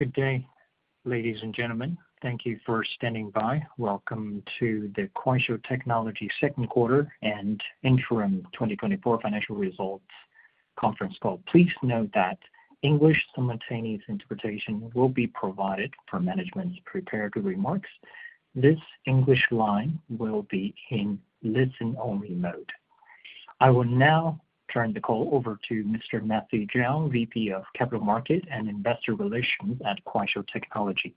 Good day, ladies and gentlemen. Thank you for standing by. Welcome to the Kuaishou Technology second quarter and interim twenty twenty-four financial results conference call. Please note that English simultaneous interpretation will be provided for management's prepared remarks. This English line will be in listen-only mode. I will now turn the call over to Mr. Matthew Jiang, VP of Capital Market and Investor Relations at Kuaishou Technology.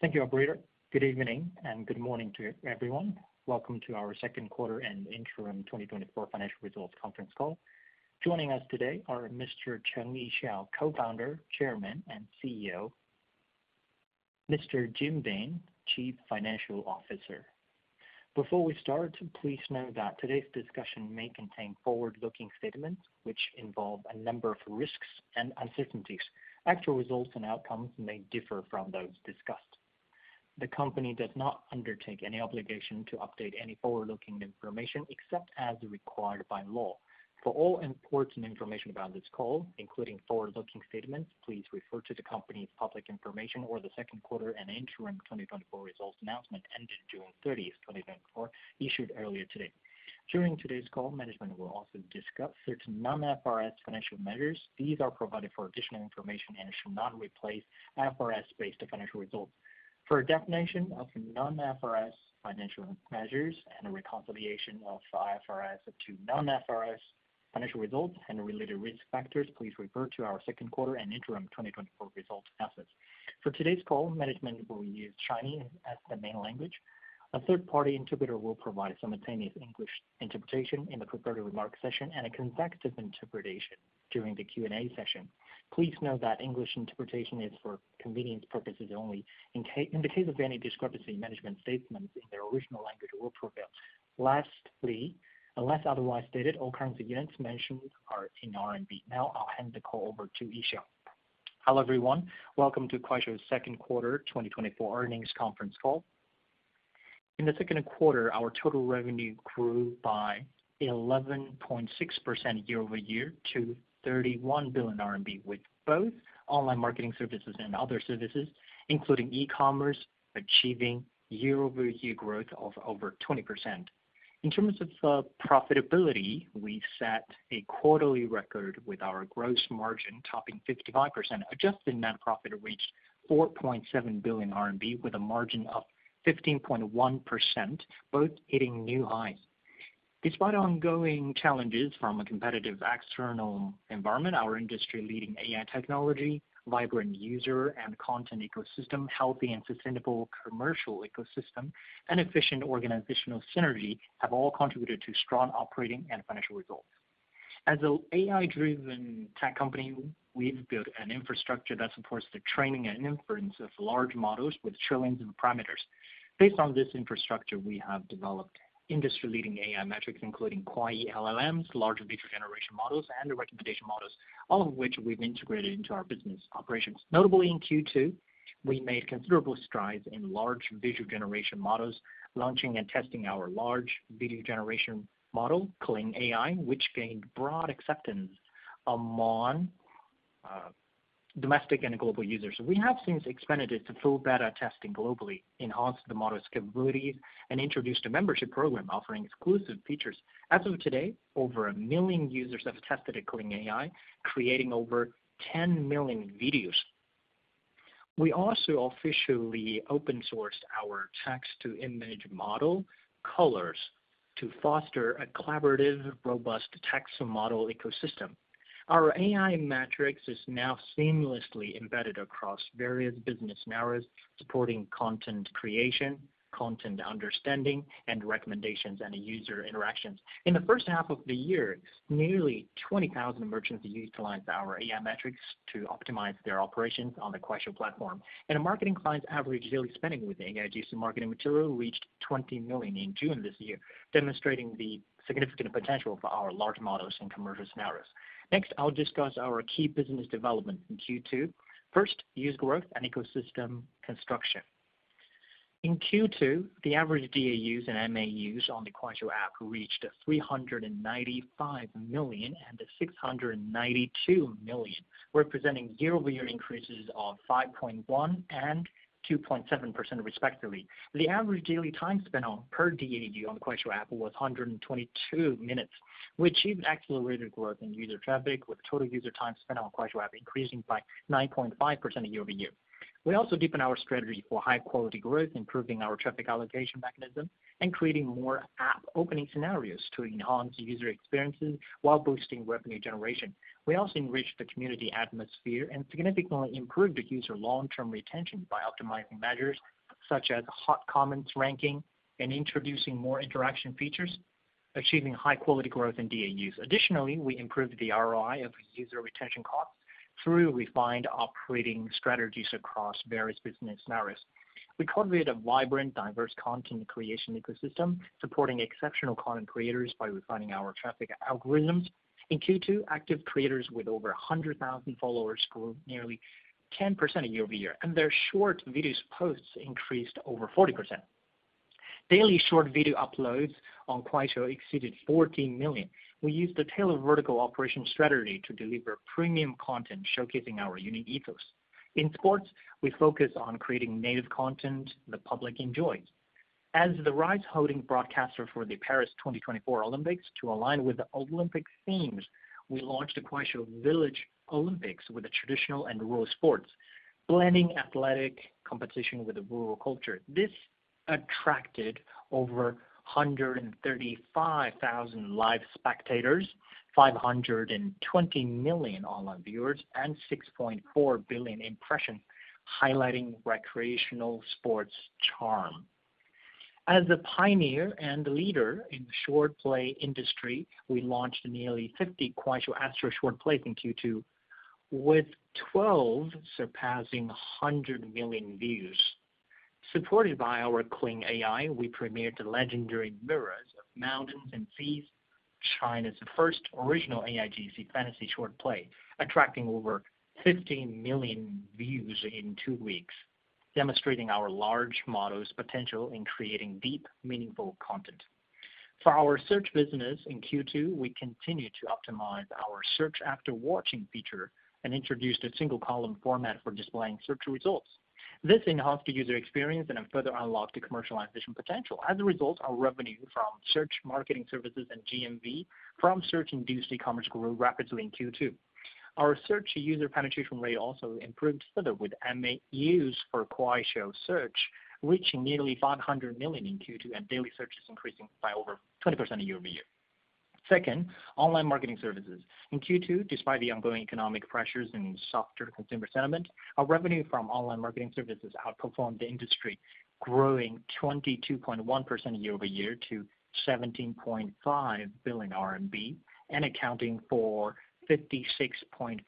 Thank you, operator. Good evening, and good morning to everyone. Welcome to our second quarter and interim twenty twenty-four financial results conference call. Joining us today are Mr. Cheng Yixiao, Co-founder, Chairman, and CEO; Mr. Jin Bing, Chief Financial Officer. Before we start, please note that today's discussion may contain forward-looking statements, which involve a number of risks and uncertainties. Actual results and outcomes may differ from those discussed. The company does not undertake any obligation to update any forward-looking information except as required by law. For all important information about this call, including forward-looking statements, please refer to the company's public information or the second quarter and interim twenty twenty-four results announcement ended June thirtieth, twenty twenty-four, issued earlier today. During today's call, management will also discuss certain non-IFRS financial measures. These are provided for additional information and should not replace IFRS-based financial results. For a definition of non-IFRS financial measures and a reconciliation of IFRS to non-IFRS financial results and related risk factors, please refer to our second quarter and interim twenty twenty-four results announcement. For today's call, management will use Chinese as the main language. A third-party interpreter will provide simultaneous English interpretation in the prepared remarks session and a consecutive interpretation during the Q&A session. Please note that English interpretation is for convenience purposes only. In the case of any discrepancy, management statements in their original language will prevail. Lastly, unless otherwise stated, all currency units mentioned are in RMB. Now, I'll hand the call over to Yixiao. Hello, everyone. Welcome to Kuaishou's second quarter 2024 earnings conference call. In the second quarter, our total revenue grew by 11.6% year over year to 31 billion RMB, with both online marketing services and other services, including e-commerce, achieving year-over-year growth of over 20%. In terms of profitability, we set a quarterly record with our gross margin topping 55%. Adjusted net profit reached 4.7 billion RMB, with a margin of 15.1%, both hitting new highs. Despite ongoing challenges from a competitive external environment, our industry-leading AI technology, vibrant user and content ecosystem, healthy and sustainable commercial ecosystem, and efficient organizational synergy have all contributed to strong operating and financial results. As an AI-driven tech company, we've built an infrastructure that supports the training and inference of large models with trillions of parameters. Based on this infrastructure, we have developed industry-leading AI metrics, including Kwai LLMs, large video generation models, and recommendation models, all of which we've integrated into our business operations. Notably, in Q2, we made considerable strides in large visual generation models, launching and testing our large video generation model, Kling AI, which gained broad acceptance among domestic and global users. We have since expanded it to full beta testing globally, enhanced the model's capabilities, and introduced a membership program offering exclusive features. As of today, over 1 million users have tested Kling AI, creating over 10 million videos. We also officially open-sourced our text-to-image model, Kolors, to foster a collaborative, robust text model ecosystem. Our AI metrics is now seamlessly embedded across various business scenarios, supporting content creation, content understanding, and recommendations, and user interactions. In the first half of the year, nearly 20 thousand merchants utilized our AI metrics to optimize their operations on the Kuaishou platform, and our marketing clients' average daily spending with AI-infused marketing material reached 20 million in June this year, demonstrating the significant potential for our large models and commercial scenarios. Next, I'll discuss our key business development in Q2. First, user growth and ecosystem construction. In Q2, the average DAUs and MAUs on the Kuaishou app reached 395 million and 692 million, representing year-over-year increases of 5.1% and 2.7%, respectively. The average daily time spent per DAU on the Kuaishou app was 122 minutes. We achieved accelerated growth in user traffic, with total user time spent on Kuaishou app increasing by 9.5% year over year. We also deepened our strategy for high-quality growth, improving our traffic allocation mechanism, and creating more app opening scenarios to enhance user experiences while boosting revenue generation. We also enriched the community atmosphere and significantly improved the user long-term retention by optimizing measures such as hot comments ranking and introducing more interaction features, achieving high-quality growth in DAUs. Additionally, we improved the ROI of user retention costs through refined operating strategies across various business scenarios. We cultivated a vibrant, diverse content creation ecosystem, supporting exceptional content creators by refining our traffic algorithms. In Q2, active creators with over 100,000 followers grew nearly 10% year over year, and their short video posts increased over 40%. Daily short video uploads on Kuaishou exceeded 14 million. We used the tailored vertical operation strategy to deliver premium content showcasing our unique ethos. In sports, we focus on creating native content the public enjoys. As the rights-holding broadcaster for the Paris 2024 Olympics, to align with the Olympic themes, we launched the Kuaishou Village Olympics with the traditional and rural sports, blending athletic competition with the rural culture. This attracted over 135,000 live spectators, 520 million online viewers, and 6.4 billion impressions, highlighting recreational sports charm. As a pioneer and leader in short play industry, we launched nearly 50 Kuaishou Xingmang short plays in Q2, with 12 surpassing 100 million views. Supported by our Kling AI, we premiered the legendary Mirrors of Mountains and Seas, China's first original AIGC fantasy short play, attracting over 15 million views in two weeks, demonstrating our large model's potential in creating deep, meaningful content. For our search business in Q2, we continued to optimize our search after watching feature and introduced a single column format for displaying search results. This enhanced the user experience and have further unlocked the commercialization potential. As a result, our revenue from search marketing services and GMV from search-induced e-commerce grew rapidly in Q2. Our search user penetration rate also improved further, with MAUs for Kuaishou Search reaching nearly 500 million in Q2, and daily searches increasing by over 20% year over year. Second, online marketing services. In Q2, despite the ongoing economic pressures and softer consumer sentiment, our revenue from online marketing services outperformed the industry, growing 22.1% year over year to 17.5 billion RMB and accounting for 56.5%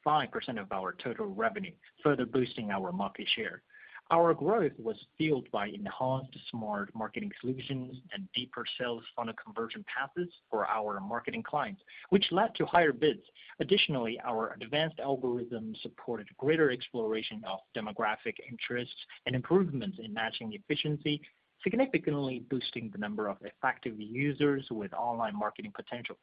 of our total revenue, further boosting our market share. Our growth was fueled by enhanced smart marketing solutions and deeper sales funnel conversion paths for our marketing clients, which led to higher bids. Additionally, our advanced algorithm supported greater exploration of demographic interests and improvements in matching efficiency, significantly boosting the number of effective users with online marketing potential.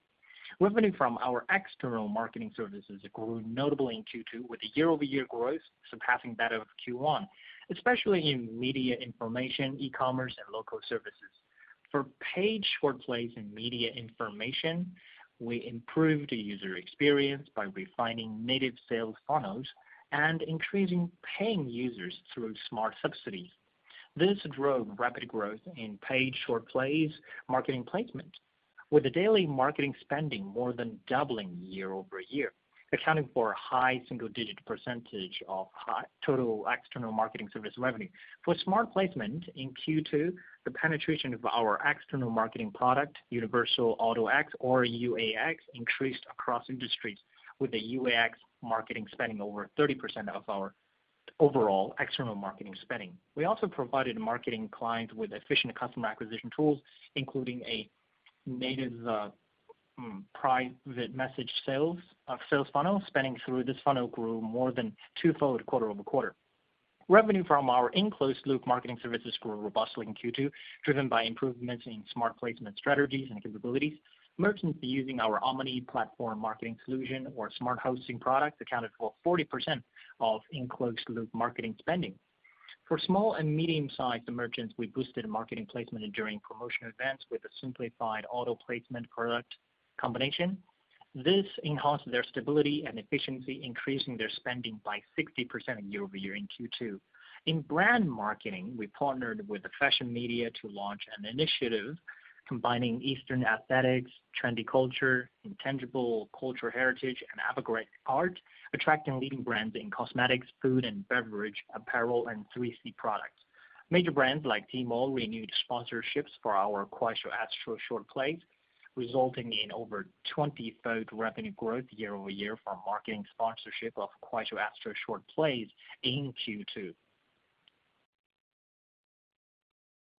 Revenue from our external marketing services grew notably in Q2, with the year-over-year growth surpassing that of Q1, especially in media information, e-commerce, and local services. For paid short plays and media information, we improved the user experience by refining native sales funnels and increasing paying users through smart subsidies. This drove rapid growth in paid short plays marketing placement, with the daily marketing spending more than doubling year over year, accounting for a high single-digit percentage of total external marketing service revenue. For smart placement in Q2, the penetration of our external marketing product, Universal Auto X, or UAX, increased across industries, with the UAX marketing spending over 30% of our overall external marketing spending. We also provided marketing clients with efficient customer acquisition tools, including a native private message sales funnel. Spending through this funnel grew more than twofold quarter over quarter. Revenue from our in-closed-loop marketing services grew robustly in Q2, driven by improvements in smart placement strategies and capabilities. Merchants using our omni-platform marketing solution or smart hosting product accounted for 40% of in-closed-loop marketing spending. For small and medium-sized merchants, we boosted marketing placement during promotional events with a simplified auto placement product combination. This enhanced their stability and efficiency, increasing their spending by 60% year over year in Q2. In brand marketing, we partnered with the fashion media to launch an initiative combining Eastern aesthetics, trendy culture, intangible cultural heritage, and Hanfu art, attracting leading brands in cosmetics, food and beverage, apparel, and 3C products. Major brands like Tmall renewed sponsorships for our Kuaishou Xingmang short plays, resulting in over twenty-fold revenue growth year over year for marketing sponsorship of Kuaishou Xingmang short plays in Q2.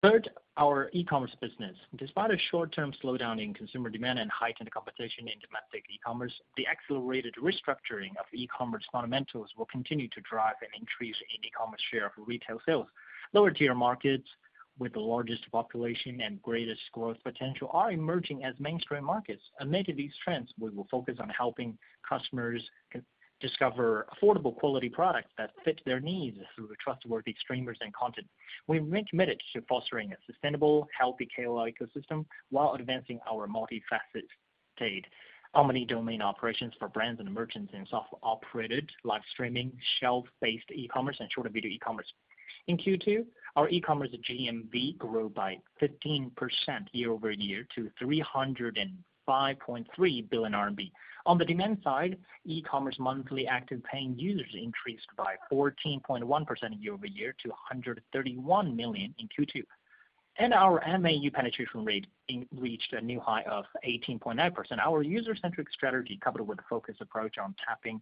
Third, our e-commerce business. Despite a short-term slowdown in consumer demand and heightened competition in domestic e-commerce, the accelerated restructuring of e-commerce fundamentals will continue to drive an increase in e-commerce share of retail sales. Lower-tier markets with the largest population and greatest growth potential are emerging as mainstream markets. Amid these trends, we will focus on helping customers discover affordable, quality products that fit their needs through trustworthy streamers and content. We remain committed to fostering a sustainable, healthy KOL ecosystem while advancing our multifaceted omni-domain operations for brands and merchants in software-operated, live streaming, shelf-based e-commerce, and short video e-commerce. In Q2, our e-commerce GMV grew by 15% year over year to 305.3 billion RMB. On the demand side, e-commerce monthly active paying users increased by 14.1% year over year to 131 million in Q2. And our MAU penetration rate in reached a new high of 18.9%. Our user-centric strategy, coupled with a focused approach on tapping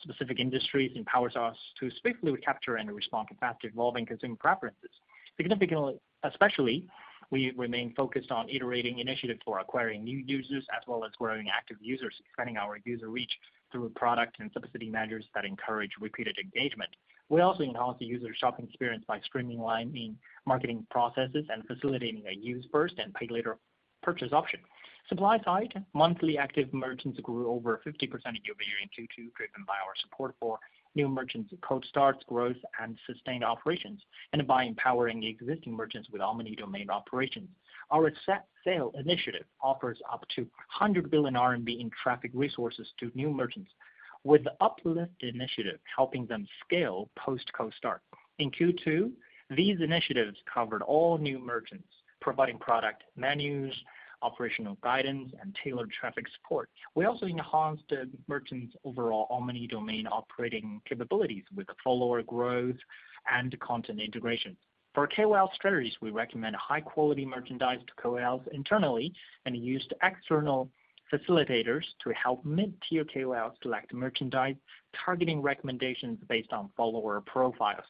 specific industries, empowers us to swiftly capture and respond to faster evolving consumer preferences. Significantly, especially, we remain focused on iterating initiatives for acquiring new users, as well as growing active users, expanding our user reach through product and subsidy measures that encourage repeated engagement. We also enhance the user shopping experience by streamlining marketing processes and facilitating a use first and pay later purchase option. Supply side, monthly active merchants grew over 50% year-over-year in Q2, driven by our support for new merchants' cold starts, growth, and sustained operations, and by empowering existing merchants with omni-domain operations. Our Set Sail Initiative offers up to 100 billion RMB in traffic resources to new merchants, with the Uplift Initiative helping them scale post cold start. In Q2, these initiatives covered all new merchants, providing product menus, operational guidance, and tailored traffic support. We also enhanced the merchants' overall omni-domain operating capabilities with follower growth and content integration. For KOL strategies, we recommend high-quality merchandise to KOLs internally, and use external facilitators to help mid-tier KOLs select merchandise, targeting recommendations based on follower profiles.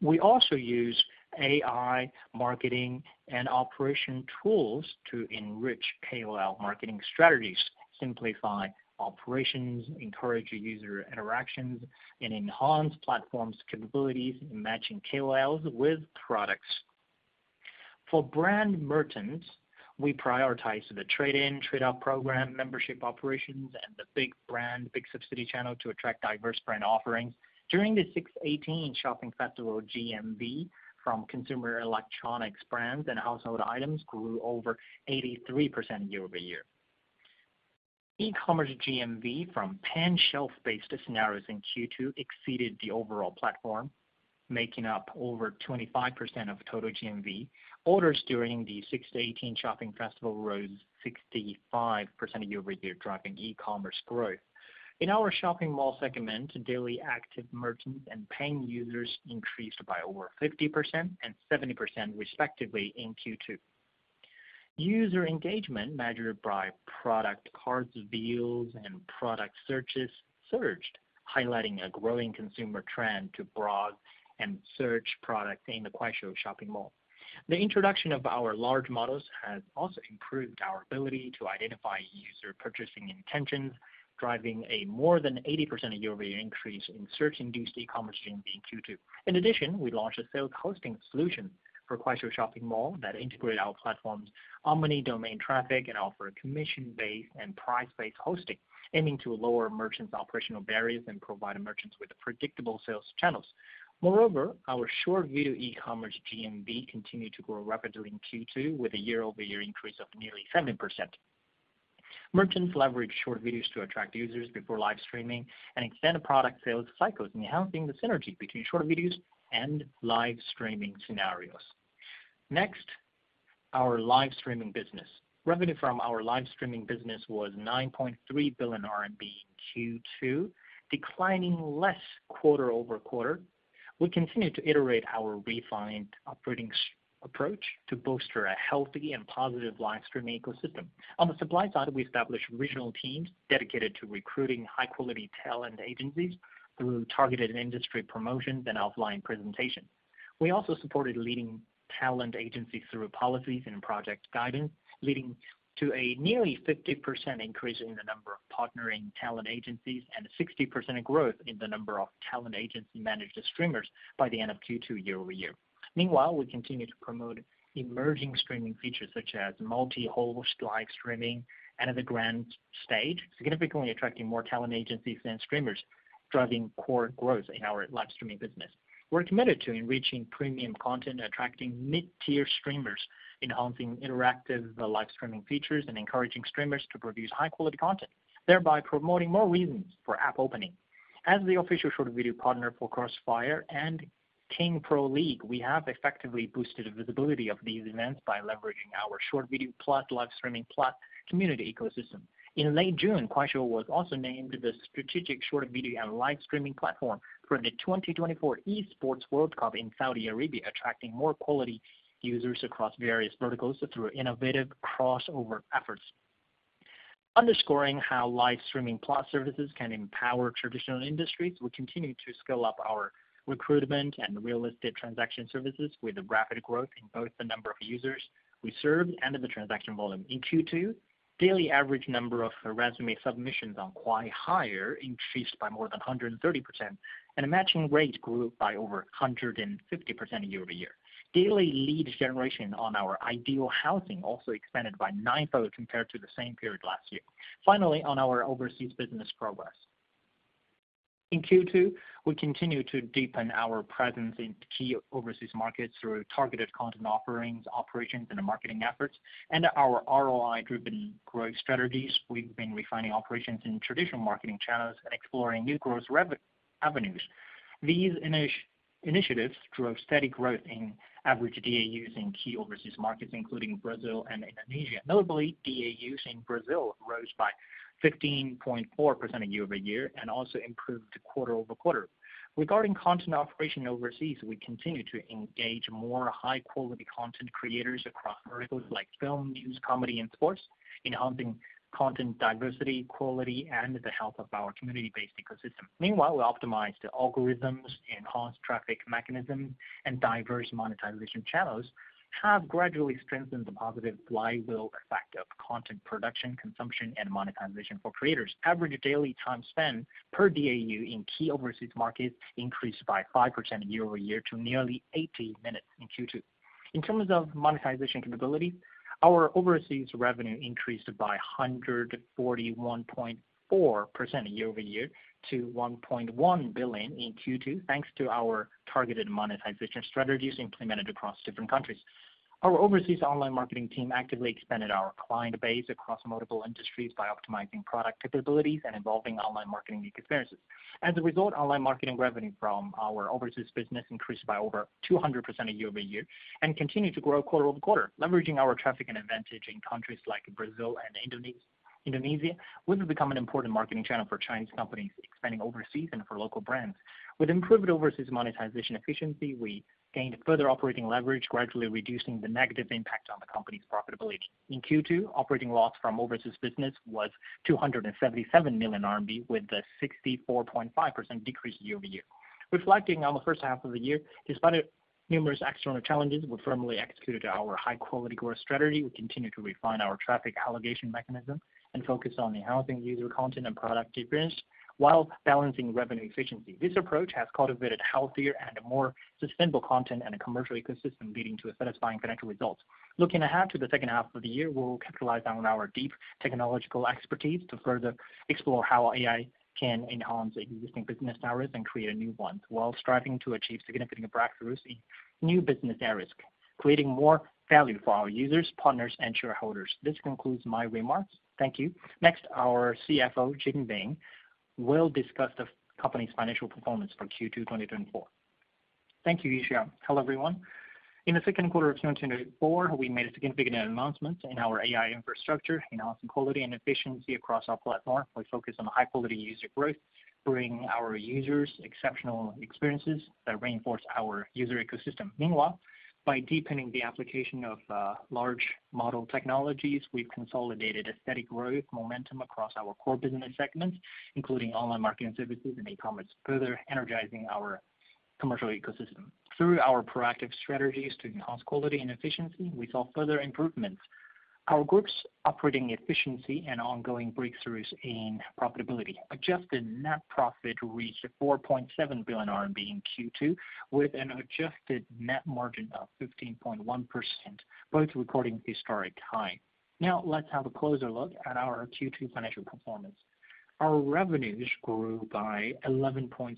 We also use AI marketing and operation tools to enrich KOL marketing strategies, simplify operations, encourage user interactions, and enhance platform's capabilities in matching KOLs with products. For brand merchants, we prioritize the Trade-in, Trade-out Program, membership operations, and the big brand, big subsidy channel to attract diverse brand offerings. During the 618 Shopping Festival, GMV from consumer electronics brands and household items grew over 83% year over year. E-commerce GMV from pan-shelf-based scenarios in Q2 exceeded the overall platform, making up over 25% of total GMV. Orders during the 618 Shopping Festival rose 65% year over year, driving e-commerce growth. In our shopping mall segment, daily active merchants and paying users increased by over 50% and 70%, respectively, in Q2. User engagement, measured by product cart views and product searches, surged, highlighting a growing consumer trend to browse and search products in the Kuaishou Shopping Mall. The introduction of our large models has also improved our ability to identify user purchasing intentions, driving a more than 80% year-over-year increase in search-induced e-commerce GMV in Q2. In addition, we launched a sales hosting solution for Kuaishou Shopping Mall that integrate our platform's omni-domain traffic and offer a commission-based and price-based hosting, aiming to lower merchants' operational barriers and provide merchants with predictable sales channels. Moreover, our short-video e-commerce GMV continued to grow rapidly in Q2, with a year-over-year increase of nearly 7%. Merchants leverage short videos to attract users before live streaming and extend the product sales cycles, enhancing the synergy between short videos and live streaming scenarios. Next, our live streaming business. Revenue from our live streaming business was 9.3 billion RMB in Q2, declining less quarter over quarter. We continue to iterate our refined operating approach to bolster a healthy and positive live streaming ecosystem. On the supply side, we established regional teams dedicated to recruiting high-quality talent agencies through targeted industry promotions and offline presentations. We also supported leading talent agencies through policies and project guidance, leading to a nearly 50% increase in the number of partnering talent agencies and a 60% growth in the number of talent agency-managed streamers by the end of Q2 year over year. Meanwhile, we continue to promote emerging streaming features such as multi-host live streaming and the Grand Stage, significantly attracting more talent agencies and streamers, driving core growth in our live streaming business. We're committed to enriching premium content, attracting mid-tier streamers, enhancing interactive live streaming features, and encouraging streamers to produce high-quality content, thereby promoting more reasons for app opening. As the official short video partner for CrossFire and King Pro League, we have effectively boosted the visibility of these events by leveraging our short video plus live streaming plus community ecosystem. In late June, Kuaishou was also named the strategic short video and live streaming platform for the 2024 Esports World Cup in Saudi Arabia, attracting more quality users across various verticals through innovative crossover efforts. Underscoring how live streaming plus services can empower traditional industries, we continue to scale up our recruitment and real estate transaction services with rapid growth in both the number of users we serve and the transaction volume. In Q2, daily average number of resume submissions on Kuai Hire increased by more than 130%, and the matching rate grew by over 150% year over year. Daily lead generation on our Ideal Housing also expanded by ninefold compared to the same period last year. Finally, on our overseas business progress. In Q2, we continued to deepen our presence in key overseas markets through targeted content offerings, operations, and marketing efforts, and our ROI-driven growth strategies. We've been refining operations in traditional marketing channels and exploring new growth revenue avenues. These initiatives drove steady growth in average DAUs in key overseas markets, including Brazil and Indonesia. Notably, DAUs in Brazil rose by 15.4% year over year and also improved quarter over quarter. Regarding content operation overseas, we continue to engage more high-quality content creators across verticals like film, news, comedy, and sports, enhancing content diversity, quality, and the health of our community-based ecosystem. Meanwhile, we optimized the algorithms, enhanced traffic mechanisms, and diverse monetization channels have gradually strengthened the positive flywheel effect of content production, consumption, and monetization for creators. Average daily time spent per DAU in key overseas markets increased by 5% year-over-year to nearly 80 minutes in Q2. In terms of monetization capability, our overseas revenue increased by 141.4% year-over-year to 1.1 billion in Q2, thanks to our targeted monetization strategies implemented across different countries. Our overseas online marketing team actively expanded our client base across multiple industries by optimizing product capabilities and involving online marketing experiences. As a result, online marketing revenue from our overseas business increased by over 200% year-over-year, and continued to grow quarter over quarter. Leveraging our traffic and advantage in countries like Brazil and Indonesia, this has become an important marketing channel for Chinese companies expanding overseas and for local brands. With improved overseas monetization efficiency, we gained further operating leverage, gradually reducing the negative impact on the company's profitability. In Q2, operating loss from overseas business was 277 million RMB, with a 64.5% decrease year-over-year. Reflecting on the first half of the year, despite numerous external challenges, we firmly executed our high-quality growth strategy. We continued to refine our traffic allocation mechanism and focus on enhancing user content and product experience while balancing revenue efficiency. This approach has cultivated healthier and more sustainable content and a commercial ecosystem, leading to a satisfying financial result. Looking ahead to the second half of the year, we will capitalize on our deep technological expertise to further explore how AI can enhance existing business areas and create a new one, while striving to achieve significant breakthroughs in new business areas, creating more value for our users, partners, and shareholders. This concludes my remarks. Thank you. Next, our CFO, Jin Bing, will discuss the company's financial performance for Q2 2024. Thank you, Yixiao. Hello, everyone. In the second quarter of 2024, we made significant advancements in our AI infrastructure, enhancing quality and efficiency across our platform. We focused on high-quality user growth, bringing our users exceptional experiences that reinforce our user ecosystem. Meanwhile, by deepening the application of, large model technologies, we've consolidated a steady growth momentum across our core business segments, including online marketing services and e-commerce, further energizing our commercial ecosystem. Through our proactive strategies to enhance quality and efficiency, we saw further improvements. Our group's operating efficiency and ongoing breakthroughs in profitability. Adjusted net profit reached 4.7 billion RMB in Q2, with an adjusted net margin of 15.1%, both recording historic high. Now, let's have a closer look at our Q2 financial performance. Our revenues grew by 11.6%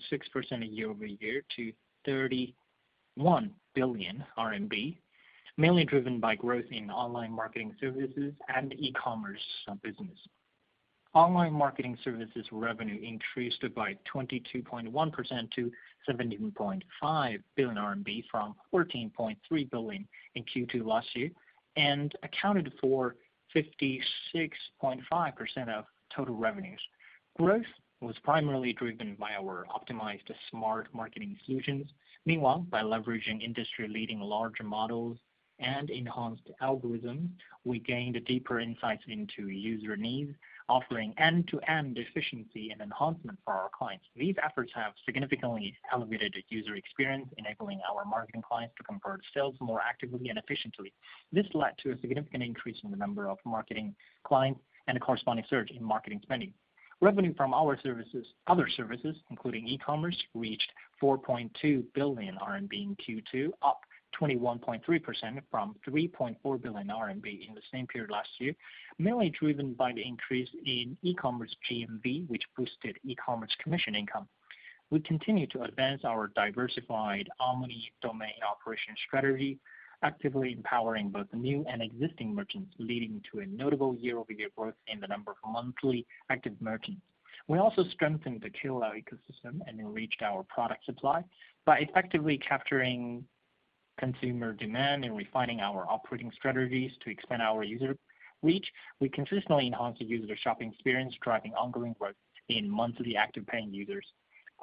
year-over-year to 31 billion RMB, mainly driven by growth in online marketing services and e-commerce business. Online marketing services revenue increased by 22.1% to 17.5 billion RMB from 14.3 billion in Q2 last year, and accounted for 56.5% of total revenues. Growth was primarily driven by our optimized smart marketing solutions. Meanwhile, by leveraging industry-leading large models and enhanced algorithms, we gained deeper insights into user needs, offering end-to-end efficiency and enhancement for our clients. These efforts have significantly elevated the user experience, enabling our marketing clients to convert sales more actively and efficiently. This led to a significant increase in the number of marketing clients and a corresponding surge in marketing spending. Revenue from our services, other services, including e-commerce, reached 4.2 billion RMB in Q2, up 21.3% from 3.4 billion RMB in the same period last year, mainly driven by the increase in e-commerce GMV, which boosted e-commerce commission income. We continue to advance our diversified omni-domain operation strategy, actively empowering both new and existing merchants, leading to a notable year-over-year growth in the number of monthly active merchants. We also strengthened the Kuaishou ecosystem and enriched our product supply by effectively capturing consumer demand and refining our operating strategies to expand our user reach. We consistently enhanced the user shopping experience, driving ongoing growth in monthly active paying users.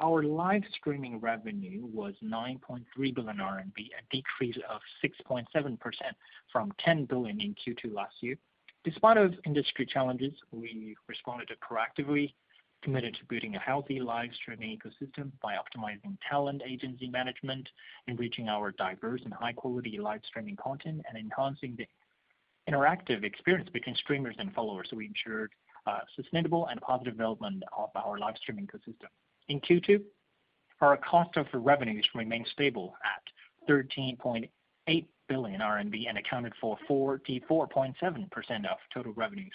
Our live streaming revenue was 9.3 billion RMB, a decrease of 6.7% from 10 billion in Q2 last year. Despite industry challenges, we responded proactively, committed to building a healthy live streaming ecosystem by optimizing talent agency management, enriching our diverse and high-quality live streaming content, and enhancing the interactive experience between streamers and followers. We ensured sustainable and positive development of our live streaming ecosystem. In Q2, our cost of revenues remained stable at 13.8 billion RMB and accounted for 44.7% of total revenues.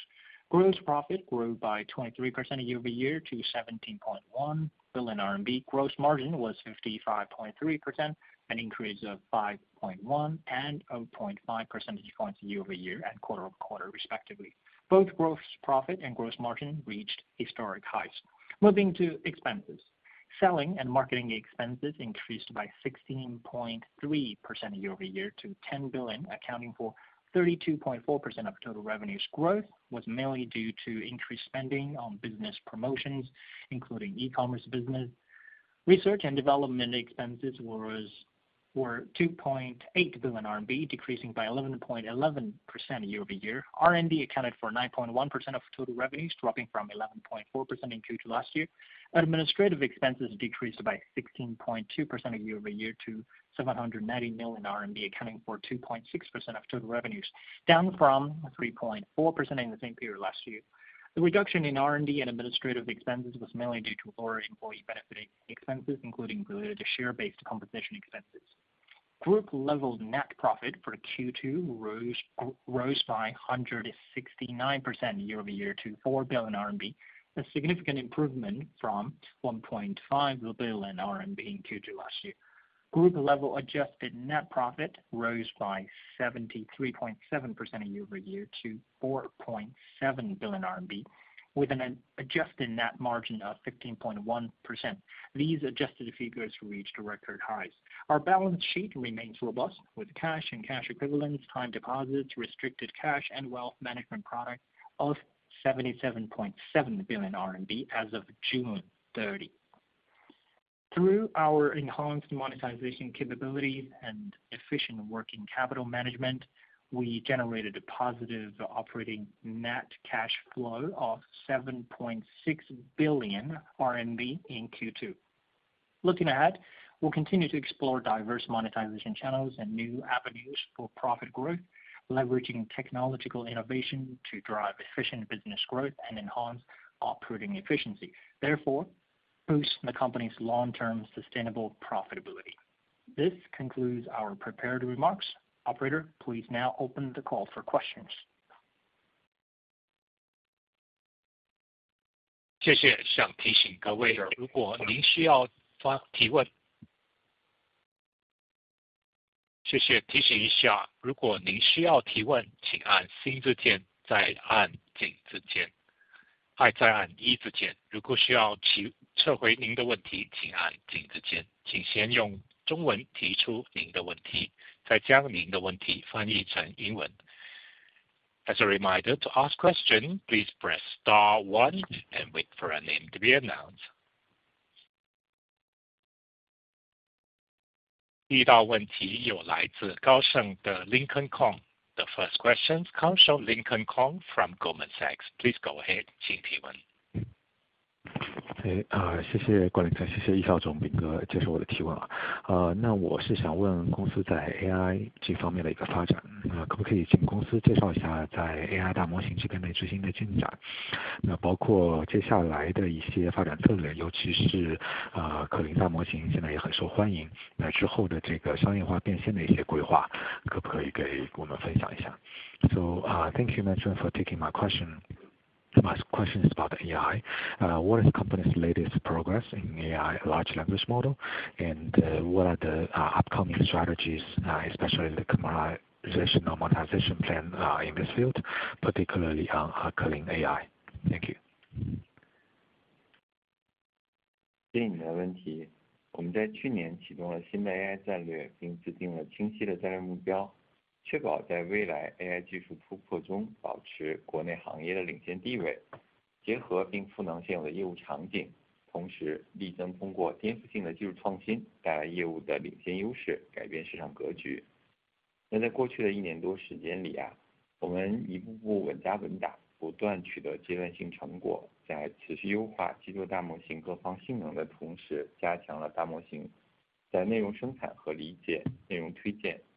Gross profit grew by 23% year-over-year to 17.1 billion RMB. Gross margin was 55.3%, an increase of 5.1 and 0.5 percentage points year-over-year and quarter over quarter, respectively. Both gross profit and gross margin reached historic highs. Moving to expenses. Selling and marketing expenses increased by 16.3% year-over-year to 10 billion, accounting for 32.4% of total revenues. Growth was mainly due to increased spending on business promotions, including e-commerce business. Research and development expenses were 2.8 billion RMB, decreasing by 11.11% year over year. R&D accounted for 9.1% of total revenues, dropping from 11.4% in Q2 last year. Administrative expenses decreased by 16.2% year-over-year to 790 million RMB, accounting for 2.6% of total revenues, down from 3.4% in the same period last year. The reduction in R&D and administrative expenses was mainly due to lower employee benefit expenses, including related to share-based compensation expenses. Group level net profit for Q2 rose by 169% year over year to 4 billion RMB, a significant improvement from 1.5 billion RMB in Q2 last year. Group level adjusted net profit rose by 73.7% year over year to 4.7 billion RMB, with an adjusted net margin of 15.1%. These adjusted figures reached record highs. Our balance sheet remains robust, with cash and cash equivalents, time deposits, restricted cash and wealth management product of 77.7 billion RMB as of June 30. Through our enhanced monetization capabilities and efficient working capital management, we generated a positive operating net cash flow of 7.6 billion RMB in Q2. Looking ahead, we'll continue to explore diverse monetization channels and new avenues for profit growth, leveraging technological innovation to drive efficient business growth and enhance operating efficiency, therefore, boost the company's long-term sustainable profitability. This concludes our prepared remarks. Operator, please now open the call for questions. 谢谢，提醒各位，如果您需要提问。谢谢。提醒一下，如果您需要提问，请按星字键，再按井字键，再按一字键，如果需要撤回您的问题，请按井字键，请先用中文提出您的问题，再将您的问题翻译成英文。As a reminder, to ask a question, please press star one and wait for your name to be announced。第一道问题来自高盛的Lincoln Kong。The first question comes from Lincoln Kong from Goldman Sachs. Please go ahead，请提问。谢谢顾灵感，谢谢易少总接受我的提问。那我是想问公司在AI这方面的一个发展，那可不可以请公司介绍一下在AI大模型这边最新的进展，那包括接下来的一些发展策略，尤其是可灵大模型现在也很受欢迎，那之后的这个商业化变现的一些规划，可不可以给我们分享一下？Thank you very much for taking my question. My question is about the AI. What is the company's latest progress in AI large language model? What are the upcoming strategies, especially the commercialization, monetization plan, in this field, particularly on Kling AI. Thank you.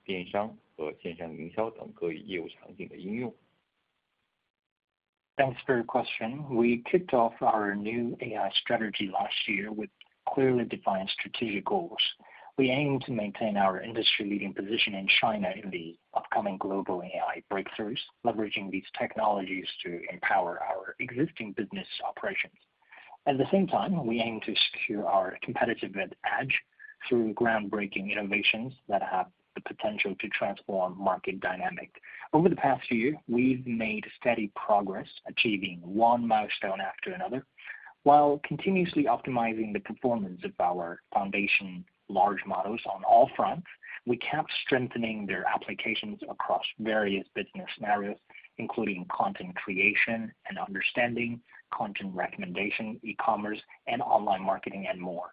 Thanks for your question. We kicked off our new AI strategy last year with clearly defined strategic goals. We aim to maintain our industry leading position in China in the upcoming global AI breakthroughs, leveraging these technologies to empower our existing business operations. At the same time, we aim to secure our competitive edge through groundbreaking innovations that have the potential to transform market dynamic. Over the past year, we've made steady progress achieving one milestone after another, while continuously optimizing the performance of our foundation large models on all fronts. We kept strengthening their applications across various business scenarios, including content creation and understanding, content recommendation, e-commerce and online marketing, and more.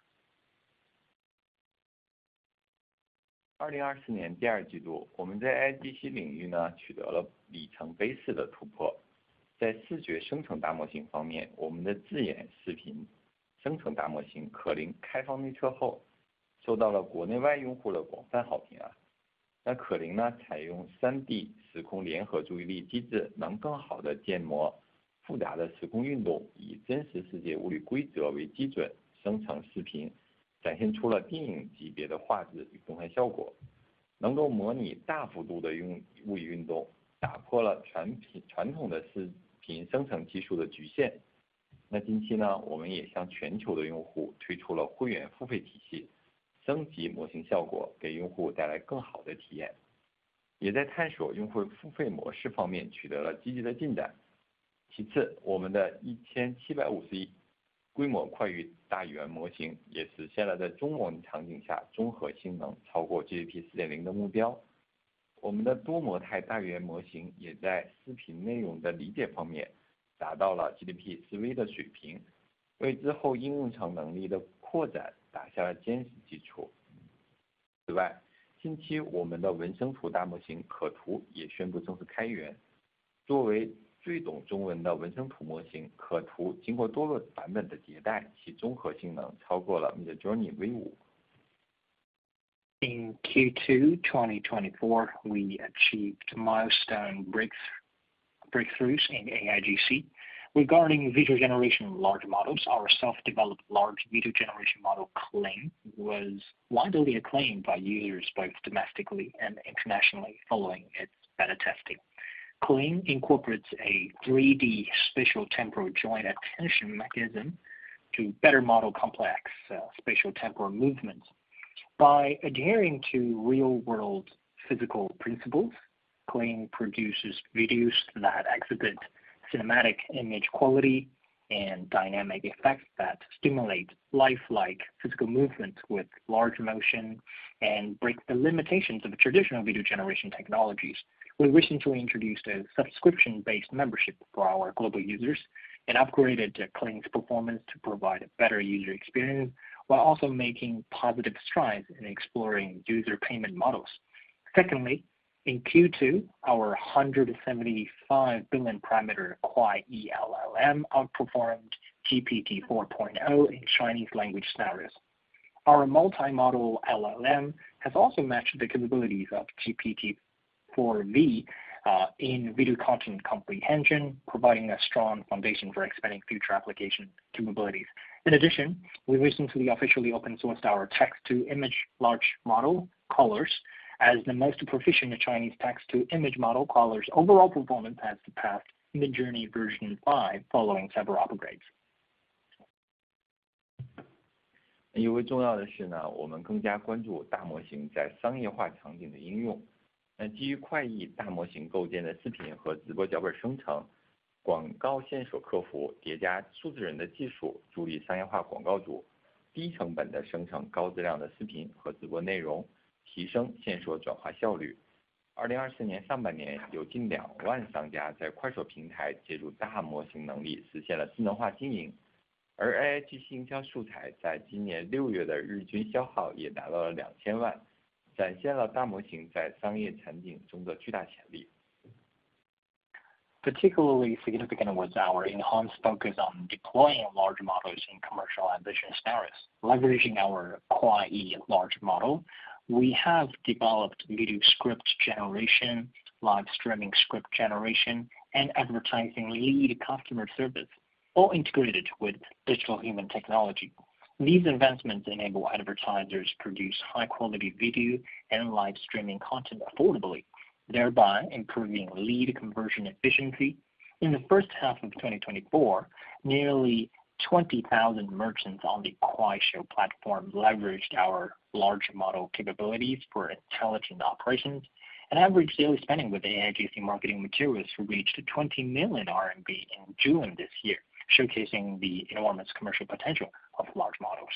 In Q2 2024, we achieved milestone breakthroughs in AIGC. Regarding video generation large models, our self-developed large video generation model Kling was widely acclaimed by users both domestically and internationally following its beta testing. Kling incorporates a 3D spatial temporal joint attention mechanism to better model complex spatial temporal movement. By adhering to real-world physical principles, Kling produces videos that exhibit cinematic image quality and dynamic effects that stimulate lifelike physical movement with large motion, and break the limitations of traditional video generation technologies. We recently introduced a subscription-based membership for our global users, and upgraded Kling's performance to provide a better user experience, while also making positive strides in exploring user payment models. Secondly, in Q2, our 175-billion-parameter KwaiYii LLM outperformed GPT-4.0 in Chinese language scenarios. Our multi-model LLM has also matched the capabilities of GPT-4V in video content comprehension, providing a strong foundation for expanding future application capabilities. In addition, we recently officially open-sourced our text-to-image large model Kolors. As the most proficient Chinese text-to-image model, Kolors overall performance has surpassed Midjourney version five following several upgrades. Particularly significant was our enhanced focus on deploying large models in commercial ambition scenarios. Leveraging our KwaiYii large model, we have developed video script generation, live streaming script generation, and advertising lead customer service, all integrated with digital human technology. These advancements enable advertisers to produce high-quality video and live streaming content affordably, thereby improving lead conversion efficiency. In the first half of 2024, nearly 20,000 merchants on the Kwai Show platform leveraged our large model capabilities for intelligent operations, and average daily spending with AIGC marketing materials reached 20 million RMB in June this year, showcasing the enormous commercial potential of large models.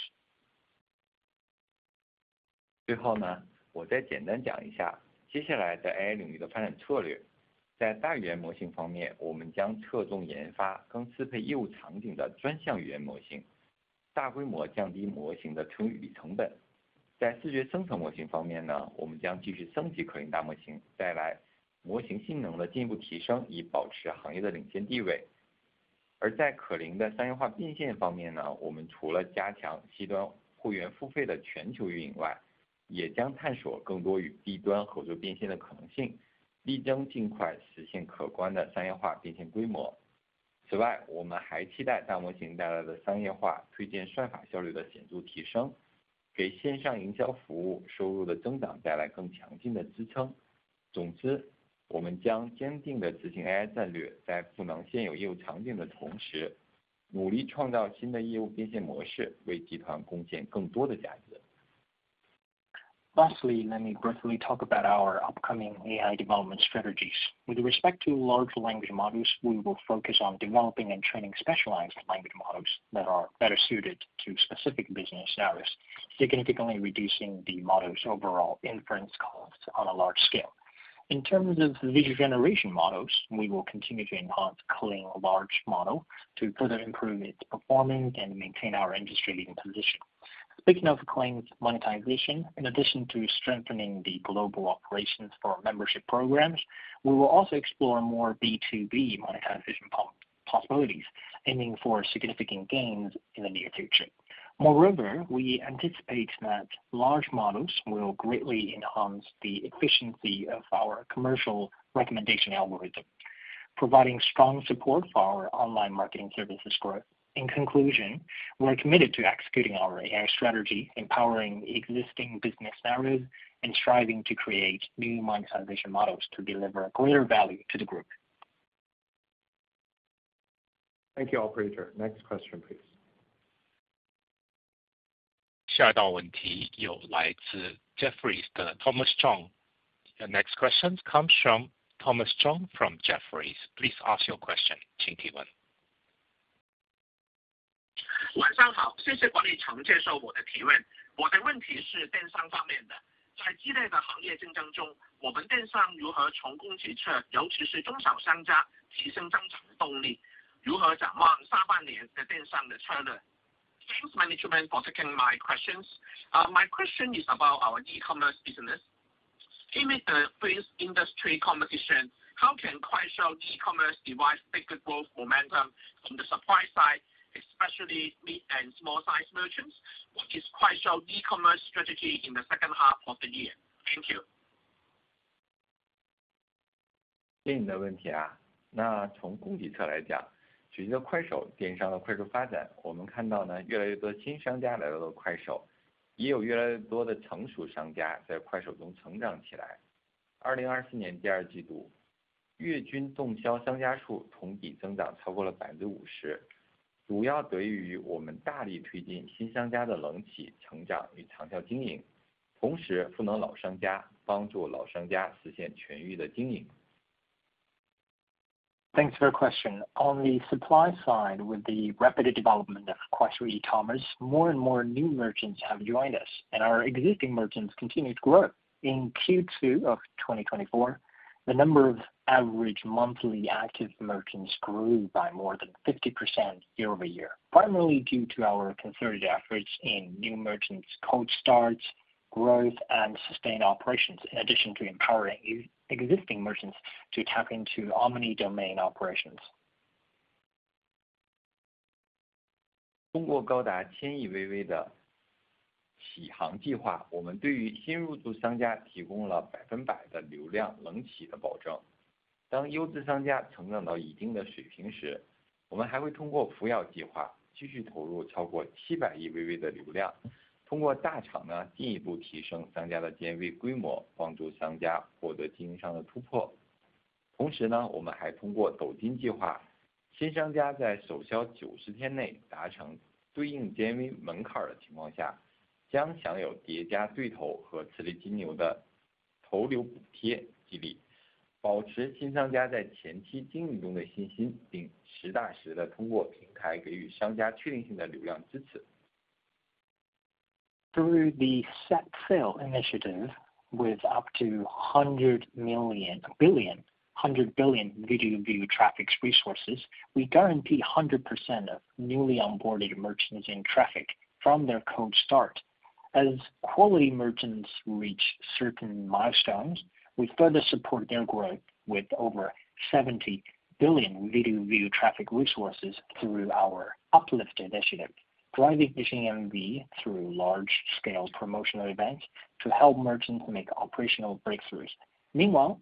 Lastly, let me briefly talk about our upcoming AI development strategies. With respect to large language models, we will focus on developing and training specialized language models that are better suited to specific business scenarios, significantly reducing the model's overall inference costs on a large scale. In terms of video generation models, we will continue to enhance Kling large model to further improve its performance and maintain our industry-leading position. Speaking of Kling's monetization, in addition to strengthening the global operations for our membership programs, we will also explore more B2B monetization possibilities, aiming for significant gains in the near future. Moreover, we anticipate that large models will greatly enhance the efficiency of our commercial recommendation algorithm, providing strong support for our online marketing services growth. In conclusion, we are committed to executing our AI strategy, empowering existing business narratives, and striving to create new monetization models to deliver greater value to the group. Thank you, operator. Next question, please. 下一道问题来自Jefferies的Thomas Chung。The next question comes from Thomas Chung from Jefferies. Please ask your question。请提问。晚上好，谢谢管理层接受我的提问。我的问题是电商方面的，在激烈的行业竞争中，我们电商如何从供给侧，特别是中小商家提升增长动力，如何展望下半年电商的策略？Thanks, management, for taking my questions. My question is about our e-commerce business. In the face of intense industry competition, how can Kuaishou e-commerce division take growth momentum from the supply side, especially mid- and small-size merchants? What is Kuaishou e-commerce strategy in the second half of the year? Thank you。对你的问题啊，那从供给侧来讲，随着快手电商的快速发展，我们看到呢，越来越多新商家来到快手，也有越来越多的成熟商家在快手中成长起来。2024年第二季度，月均动销商家数同比增长超过50%，主要得益于我们大力推进新商家的冷启、成长与长效经营，同时赋能老商家，帮助老商家实现全域的经营。Thanks for your question. On the supply side, with the rapid development of Kuaishou e-commerce, more and more new merchants have joined us, and our existing merchants continue to grow. In Q2 of 2024, the number of average monthly active merchants grew by more than 50% year over year, primarily due to our concerted efforts in new merchants, cold starts, growth, and sustained operations, in addition to empowering existing merchants to tap into omni-domain operations. 通过高达千亿微微的起航计划，我们对于新入驻商家提供了100%的流量冷启的保证。当优质商家成长到一定的水平时，我们还会通过扶摇计划继续投入超过700亿微微的流量，通过大厂呢进一步提升商家的GMV规模，帮助商家获得经营上的突破。同时呢，我们还通过斗金计划，新商家在首销90天内达成对应GMV门槛的情况下，将享有叠加对头和磁力金牛的投流补贴激励，保持新商家在前期经营中的信心，并实打实地通过平台给予商家确定性的流量支持。Through the Uplift Initiative, with up to 100 million, 1 billion, 100 billion video view traffic resources, we guarantee 100% of newly onboarded merchants in traffic from their cold start. As quality merchants reach certain milestones, we further support their growth with over 70 billion video view traffic resources through our Uplift Initiative, driving GMV through large-scale promotional events to help merchants make operational breakthroughs. Meanwhile,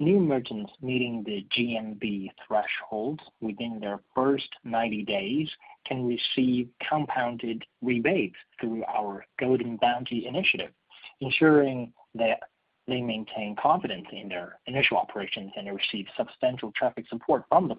new merchants meeting the GMV thresholds within their first 90 days can receive compounded rebates through our Doujin Initiative, ensuring that they maintain confidence in their initial operations and receive substantial traffic support from the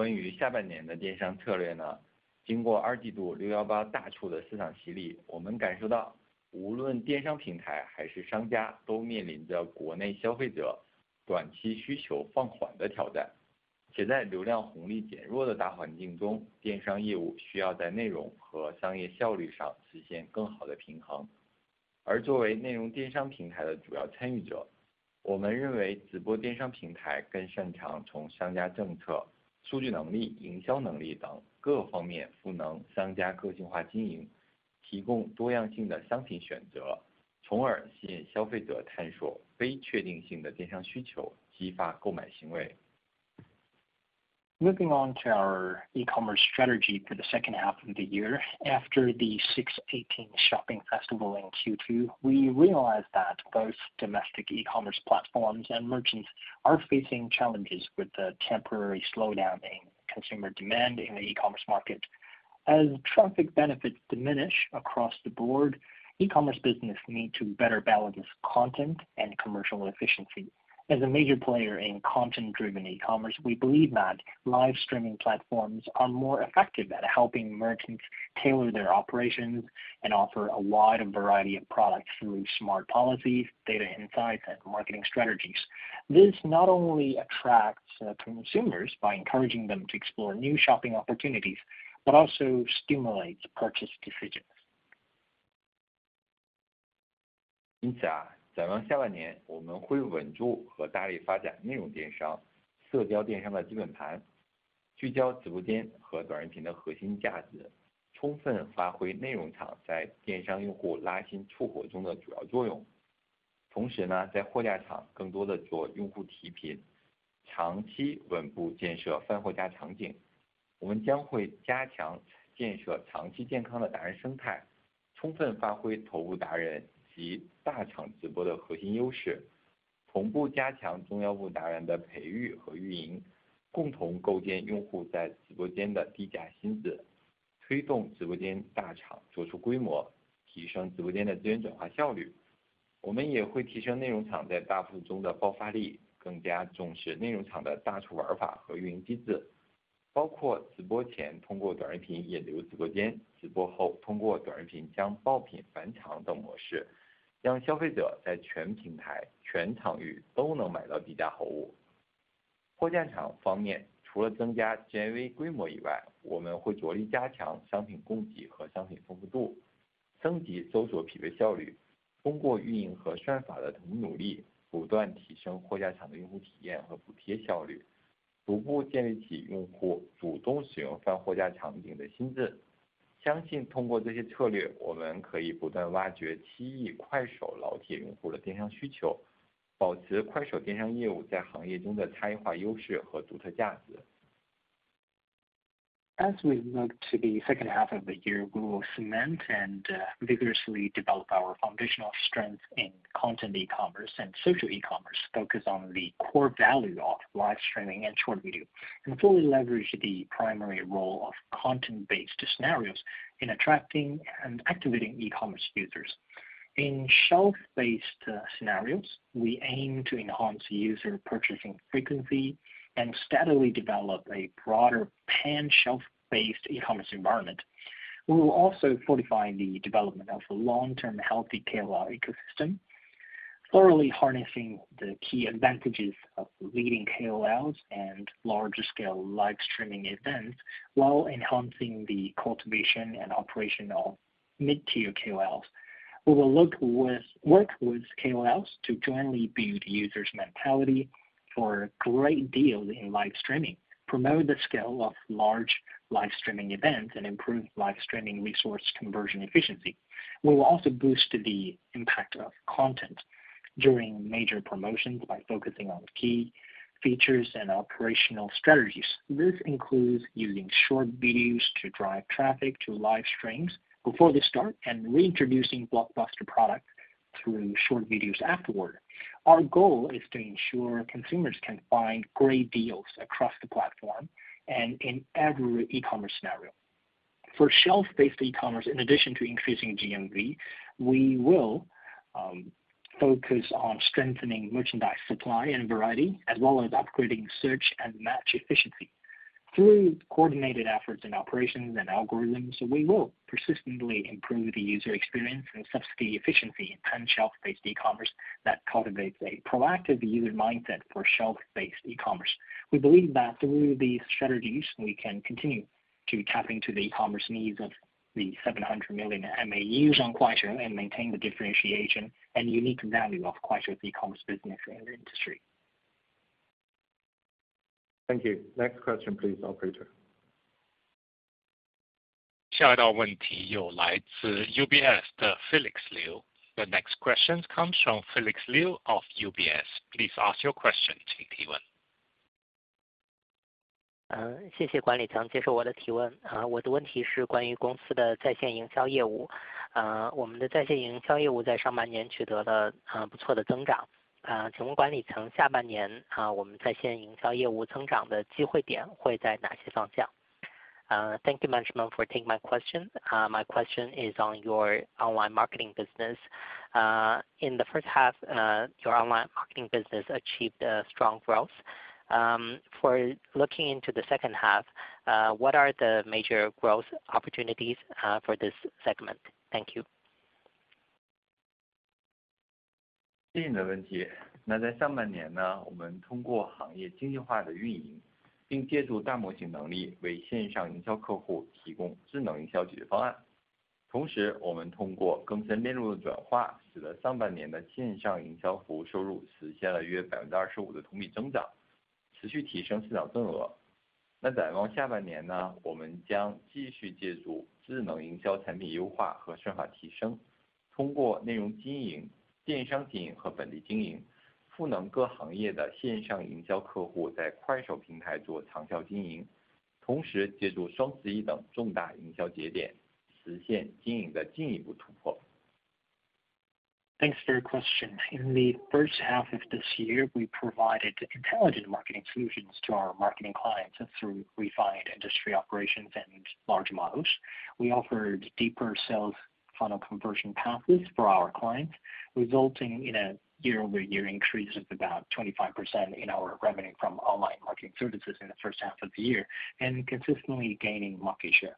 platforms. 关于下半年的电商策略呢，经过二季度六一八大促的市场洗礼，我们感受到无论电商平台还是商家都面临着国内消费者短期需求放缓的挑战。且在流量红利减弱的大环境中，电商业务需要在内容和商业效率上实现更好的平衡。而作为内容电商平台的主要参与者，我们认为直播电商平台更擅长从商家政策、数据能力、营销能力等各方面赋能商家个性化经营，提供多样性的商品选择，从而吸引消费者探索非确定性的电商需求，激发购买行为。Moving on to our e-commerce strategy for the second half of the year. After the 618 Shopping Festival in Q2, we realized that both domestic e-commerce platforms and merchants are facing challenges with the temporary slowdown in consumer demand in the e-commerce market. As traffic benefits diminish across the board, e-commerce business need to better balance content and commercial efficiency. As a major player in content-driven e-commerce, we believe that live streaming platforms are more effective at helping merchants tailor their operations and offer a wide variety of products through smart policies, data insights, and marketing strategies. This not only attracts consumers by encouraging them to explore new shopping opportunities, but also stimulates purchase decisions. As we look to the second half of the year, we will cement and vigorously develop our foundational strength in content e-commerce and social e-commerce, focus on the core value of live streaming and short video, and fully leverage the primary role of content-based scenarios in attracting and activating e-commerce users. In shelf-based scenarios, we aim to enhance user purchasing frequency and steadily develop a broader pan-shelf based e-commerce environment. We will also fortify the development of long-term healthy KOL ecosystem, thoroughly harnessing the key advantages of leading KOLs and larger scale live streaming events, while enhancing the cultivation and operation of mid-tier KOLs. We will work with KOLs to jointly build users mentality for great deals in live streaming, promote the scale of large live streaming events, and improve live streaming resource conversion efficiency. We will also boost the impact of content during major promotions by focusing on key features and operational strategies. This includes using short videos to drive traffic to live streams before they start, and reintroducing blockbuster product through short videos afterward. Our goal is to ensure consumers can find great deals across the platform and in every e-commerce scenario. For shelf-based e-commerce, in addition to increasing GMV, we will focus on strengthening merchandise supply and variety, as well as upgrading search and match efficiency. Through coordinated efforts in operations and algorithms, we will persistently improve the user experience and subsidy efficiency, and shelf-based e-commerce that cultivates a proactive user mindset for shelf-based e-commerce. We believe that through these strategies, we can continue to tap into the e-commerce needs of the 700 million MAUs on Kuaishou, and maintain the differentiation and unique value of Kuaishou's e-commerce business in the industry. Thank you. Next question, please, operator. 下一道问题又来自UBS的Felix Liu。The next question comes from Felix Liu of UBS。Please ask your question， 请提问。谢谢管理层接受我的提问，我的问题是关于公司的在线营销业务。我们在线营销业务在上半年取得了，不错的增长，请问管理层下半年，我们在线营销业务增长的机会点会在哪些方向？Thank you management for taking my question. My question is on your online marketing business. In the first half, your online marketing business achieved a strong growth. For looking into the second half, what are the major growth opportunities for this segment? Thank you. Thanks for your question. In the first half of this year, we provided intelligent marketing solutions to our marketing clients through refined industry operations and large models. We offered deeper sales funnel conversion pathways for our clients, resulting in a year-over-year increase of about 25% in our revenue from online marketing services in the first half of the year, and consistently gaining market share.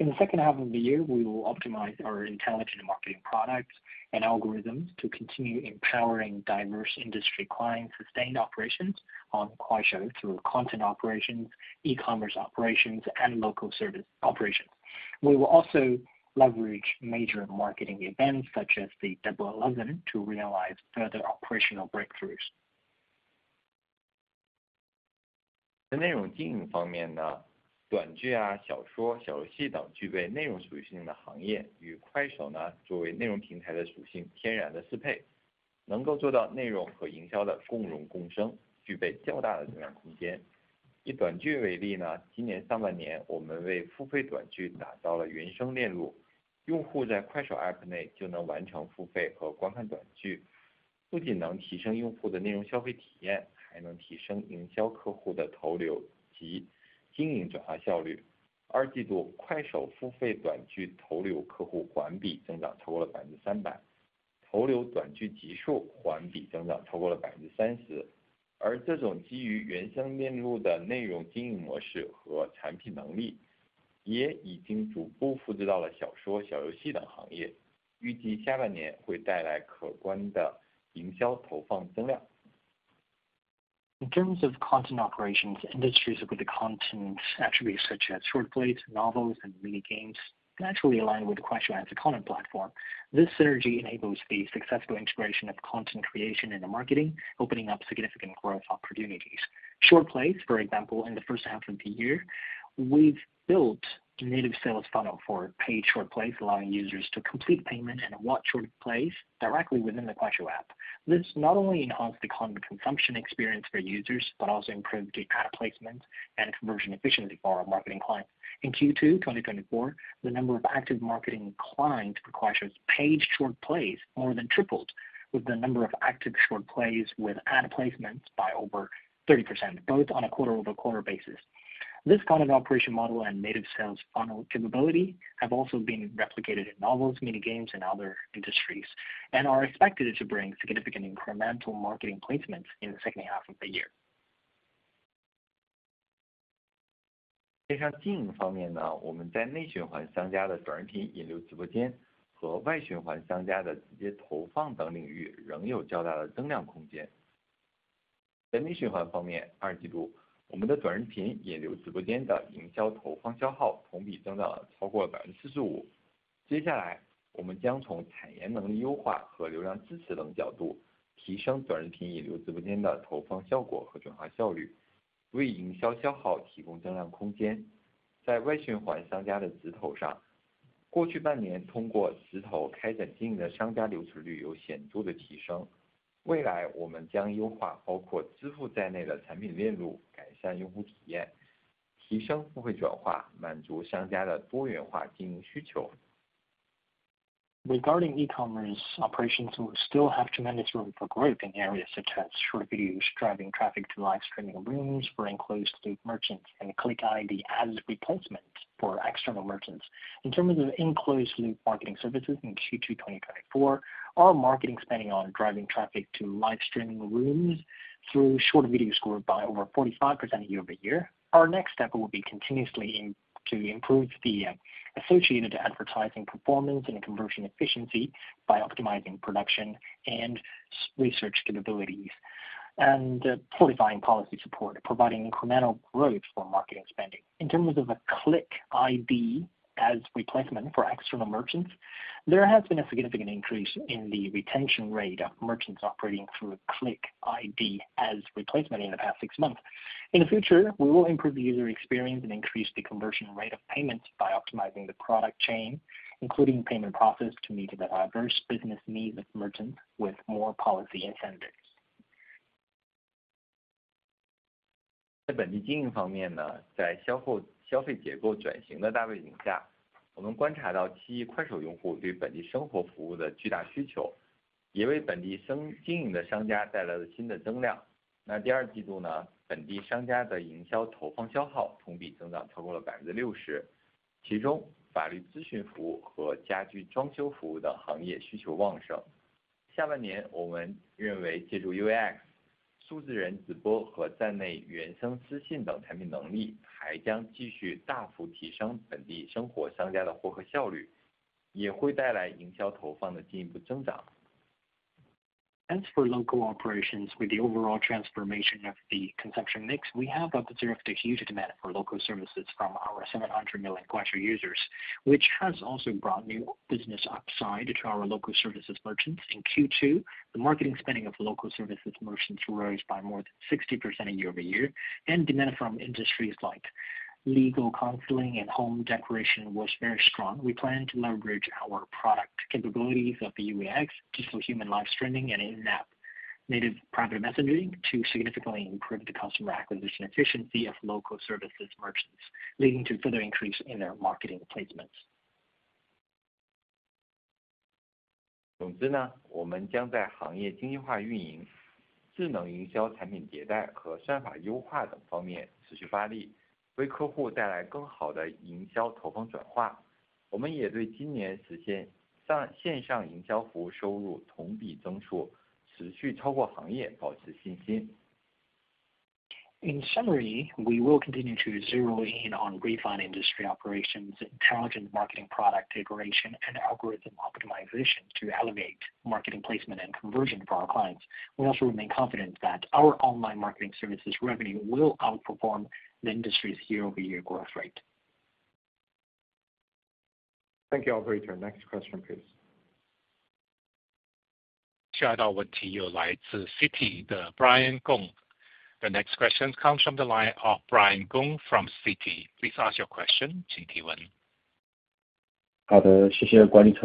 In the second half of the year, we will optimize our intelligent marketing products and algorithms to continue empowering diverse industry clients sustained operations on Kuaishou through content operations, e-commerce operations, and local service operations. We will also leverage major marketing events such as the Double Eleven, to realize further operational breakthroughs. 在内容经营方面呢，短剧啊，小说、小游戏等具备内容属性的行业，与快手呢作为内容平台的属性自然地适配，能够做到内容和营销的共荣共生，具备较大的发展空间。以短剧为例呢，今年上半年我们为付费短剧打造了原生链路，用户在快手APP内就能完成付费和观看短剧，不仅能提升用户的内容消费体验，还能提升营销客户的投流及经营转化效率。二季度，快手付费短剧投流客户环比增长超过了300%。... 投流短剧集数环比增长超过了30%。而这种基于原生链路的内容经营模式和产品能力，也已经逐步复制到了小说、小游戏等行业，预计下半年会带来可观的营销投放增量。In terms of content operations, industries with the content attributes such as short plays, novels, and mini games, naturally align with the Kuaishou as a common platform. This synergy enables the successful integration of content creation and the marketing, opening up significant growth opportunities. Short plays, for example, in the first half of the year, we've built a native sales funnel for paid short plays, allowing users to complete payment and watch short plays directly within the Kuaishou app. This not only enhanced the content consumption experience for users, but also improved the ad placement and conversion efficiency for our marketing clients. In Q2, 2024, the number of active marketing clients for Kuaishou's paid short plays more than tripled, with the number of active short plays with ad placements by over 30%, both on a quarter-over-quarter basis. This kind of operation model and native sales funnel capability have also been replicated in novels, mini games, and other industries, and are expected to bring significant incremental marketing placements in the second half of the year. Regarding e-commerce, operations will still have tremendous room for growth in areas such as short videos, driving traffic to live streaming rooms for in-closed-loop merchants, and Direct Placement as replacement for external merchants. In terms of in-closed-loop marketing services in Q2 2024, our marketing spending on driving traffic to live streaming rooms through short video soared by over 45% year over year. Our next step will be continuously to improve the associated advertising performance and conversion efficiency by optimizing production and research capabilities and solidifying policy support, providing incremental growth for marketing spending. In terms of Direct Placement as replacement for external merchants, there has been a significant increase in the retention rate of merchants operating through Direct Placement as replacement in the past six months. In the future, we will improve the user experience and increase the conversion rate of payments by optimizing the product chain, including payment process, to meet the diverse business needs of merchants with more policy incentives. 在本地经营方面呢，在疫后 or 消费消费结构转型的大背景下，我们观察到七亿快手用户对本地生活活服务的巨大需求，也为本地生经营的商家带来了新的增量。那第二季度呢？本地商家的营销投放消耗同比增长超过了60%，其中法律咨询服务和家居装修服务的行业需求旺盛。下半年，我们认为借助UAX数字人直播和站内原生私信等产品能力，还将继续大幅提升本地生活商家的获客效率，也会带来营销投放的进一步增长。As for local operations, with the overall transformation of the consumption mix, we have observed a huge demand for local services from our seven hundred million Kuaishou users, which has also brought new business upside to our local services merchants. In Q2, the marketing spending of local services merchants rose by more than 60% year over year, and demand from industries like legal counseling and home decoration was very strong. We plan to leverage our product capabilities of the UAX, digital human live streaming, and in-app native private messaging to significantly improve the customer acquisition efficiency of local services merchants, leading to further increase in their marketing placements. In summary, we will continue to zero in on refined industry operations, intelligent marketing, product iteration, and algorithm optimization to elevate marketing placement and conversion for our clients. We also remain confident that our online marketing services revenue will outperform the industry's year-over-year growth rate. Thank you, operator. Next question, please. 下一道问题又来自Citi的Brian Gong。The next question comes from the line of Brian Gong from Citi. Please ask your question, 请提问。Thanks, management,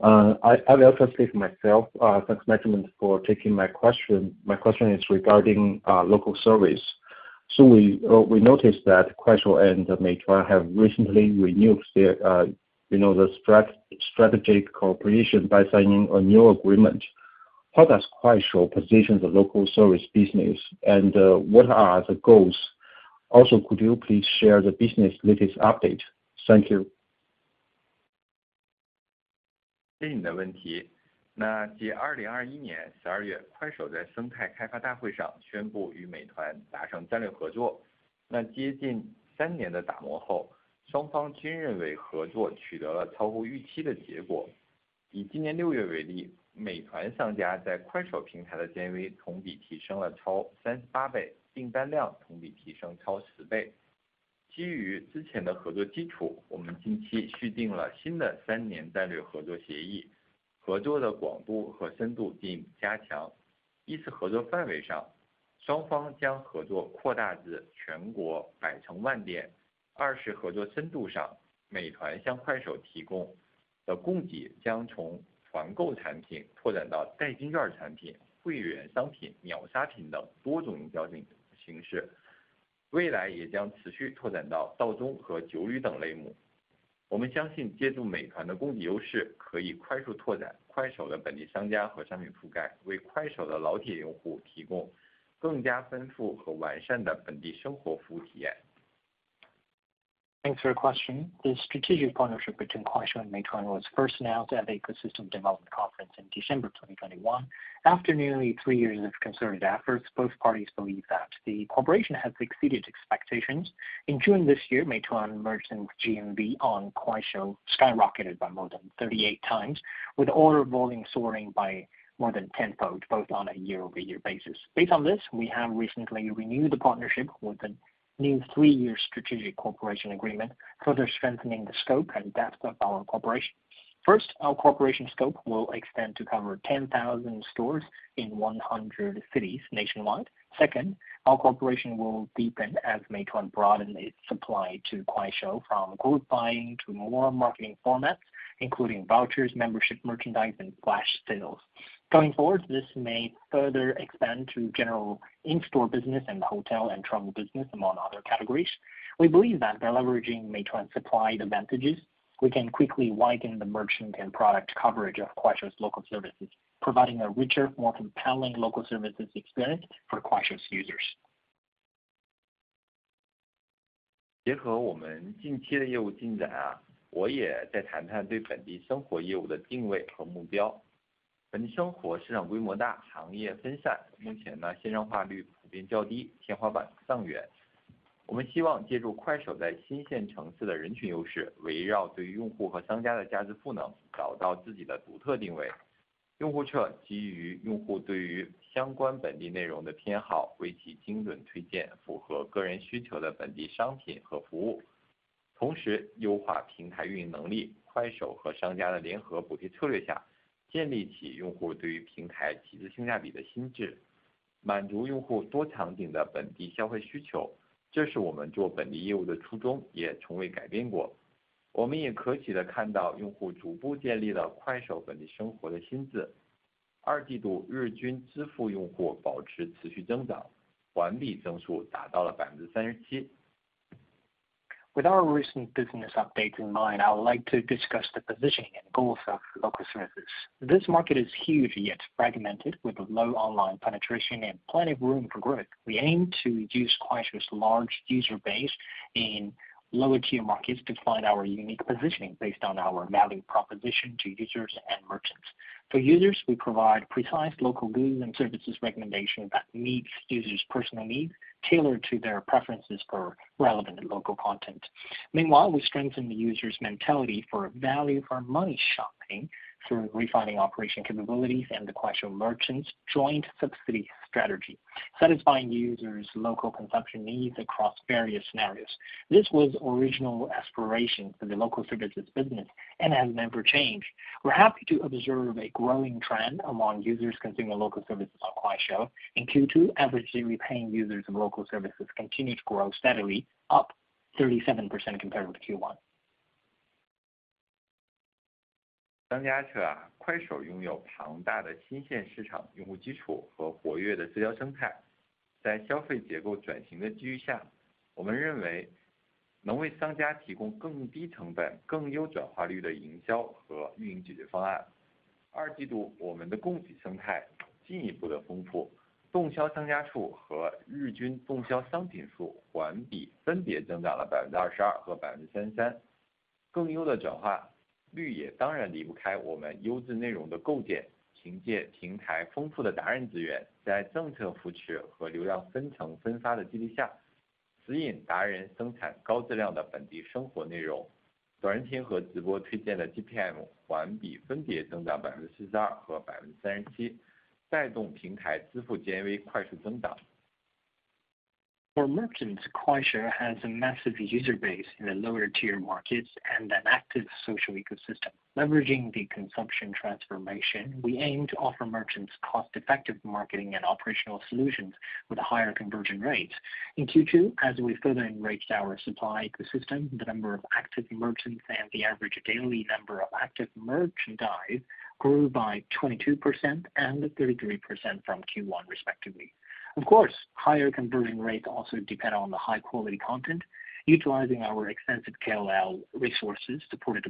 for taking my question. My question is I want to ask again about the local services side. We see that Kuaishou and Meituan recently renewed this new strategic cooperation agreement. I want to ask what the company's positioning for the local services business is now, uh, and its goals. Also, please share the latest progress. Thank you. ...So we noticed that Kuaishou and Meituan have recently renewed their, you know, the strategic cooperation by signing a new agreement. How does Kuaishou position the local service business, and what are the goals? Also, could you please share the business latest update? Thank you. Thanks for your question. The strategic partnership between Kuaishou and Meituan was first announced at the Ecosystem Development Conference in December 2021. After nearly three years of concerted efforts, both parties believe that the cooperation has exceeded expectations. In June this year, Meituan Merchants GMV on Kuaishou skyrocketed by more than 38 times, with order volume soaring by more than tenfold, both on a year-over-year basis. Based on this, we have recently renewed the partnership with a new three-year strategic cooperation agreement, further strengthening the scope and depth of our cooperation. First, our cooperation scope will extend to cover 10,000 stores in 100 cities nationwide. Second, our cooperation will deepen as Meituan broaden its supply to Kuaishou from group buying to more marketing formats, including vouchers, membership, merchandise, and flash sales. Going forward, this may further expand to general in-store business and hotel and travel business, among other categories. We believe that by leveraging Meituan's supply advantages, we can quickly widen the merchant and product coverage of Kuaishou's local services, providing a richer, more compelling local services experience for Kuaishou's users. Thanks for your question. The strategic partnership between Kuaishou and Meituan was first announced at the Ecosystem Development Conference in December 2021. After nearly three years of concerted efforts, both parties believe that the cooperation has exceeded expectations. In June this year, Meituan Merchants GMV on Kuaishou skyrocketed by more than 38 times, with order volume soaring by more than tenfold, both on a year-over-year basis. Based on this, we have recently renewed the partnership with a new three-year strategic cooperation agreement, further strengthening the scope and depth of our cooperation. First, our cooperation scope will extend to cover 10,000 stores in 100 cities nationwide. Second, our cooperation will deepen as Meituan broaden its supply to Kuaishou from group buying to more marketing formats, including vouchers, membership, merchandise, and flash sales. Going forward, this may further expand to general in-store business and hotel and travel business, among other categories. We believe that by leveraging Meituan's supply advantages, we can quickly widen the merchant and product coverage of Kuaishou's local services, providing a richer, more compelling local services experience for Kuaishou's users. With our recent business update in mind, I would like to discuss the positioning and goals of local services. This market is huge, yet fragmented, with a low online penetration and plenty of room for growth. We aim to use Kuaishou's large user base in lower-tier markets to find our unique positioning, based on our value proposition to users and merchants. For users, we provide precise local goods and services recommendation that meets users' personal needs, tailored to their preferences for relevant and local content. Meanwhile, we strengthen the user's mentality for value-for-money shopping through refining operation capabilities and the Kuaishou Merchants joint subsidy strategy, satisfying users' local consumption needs across various scenarios. This was original aspiration for the local services business and has never changed. We're happy to observe a growing trend among users consuming local services on Kuaishou. In Q2, average paying users of local services continued to grow steadily, up 37% compared with Q1.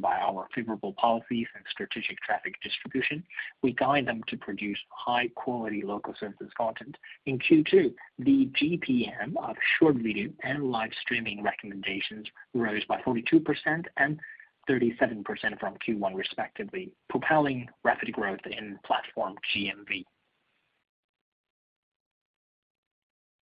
...our favorable policies and strategic traffic distribution, we guide them to produce high-quality local services content. In Q2, the GPM of short video and live streaming recommendations rose by 42% and 37% from Q1, respectively, propelling rapid growth in platform GMV.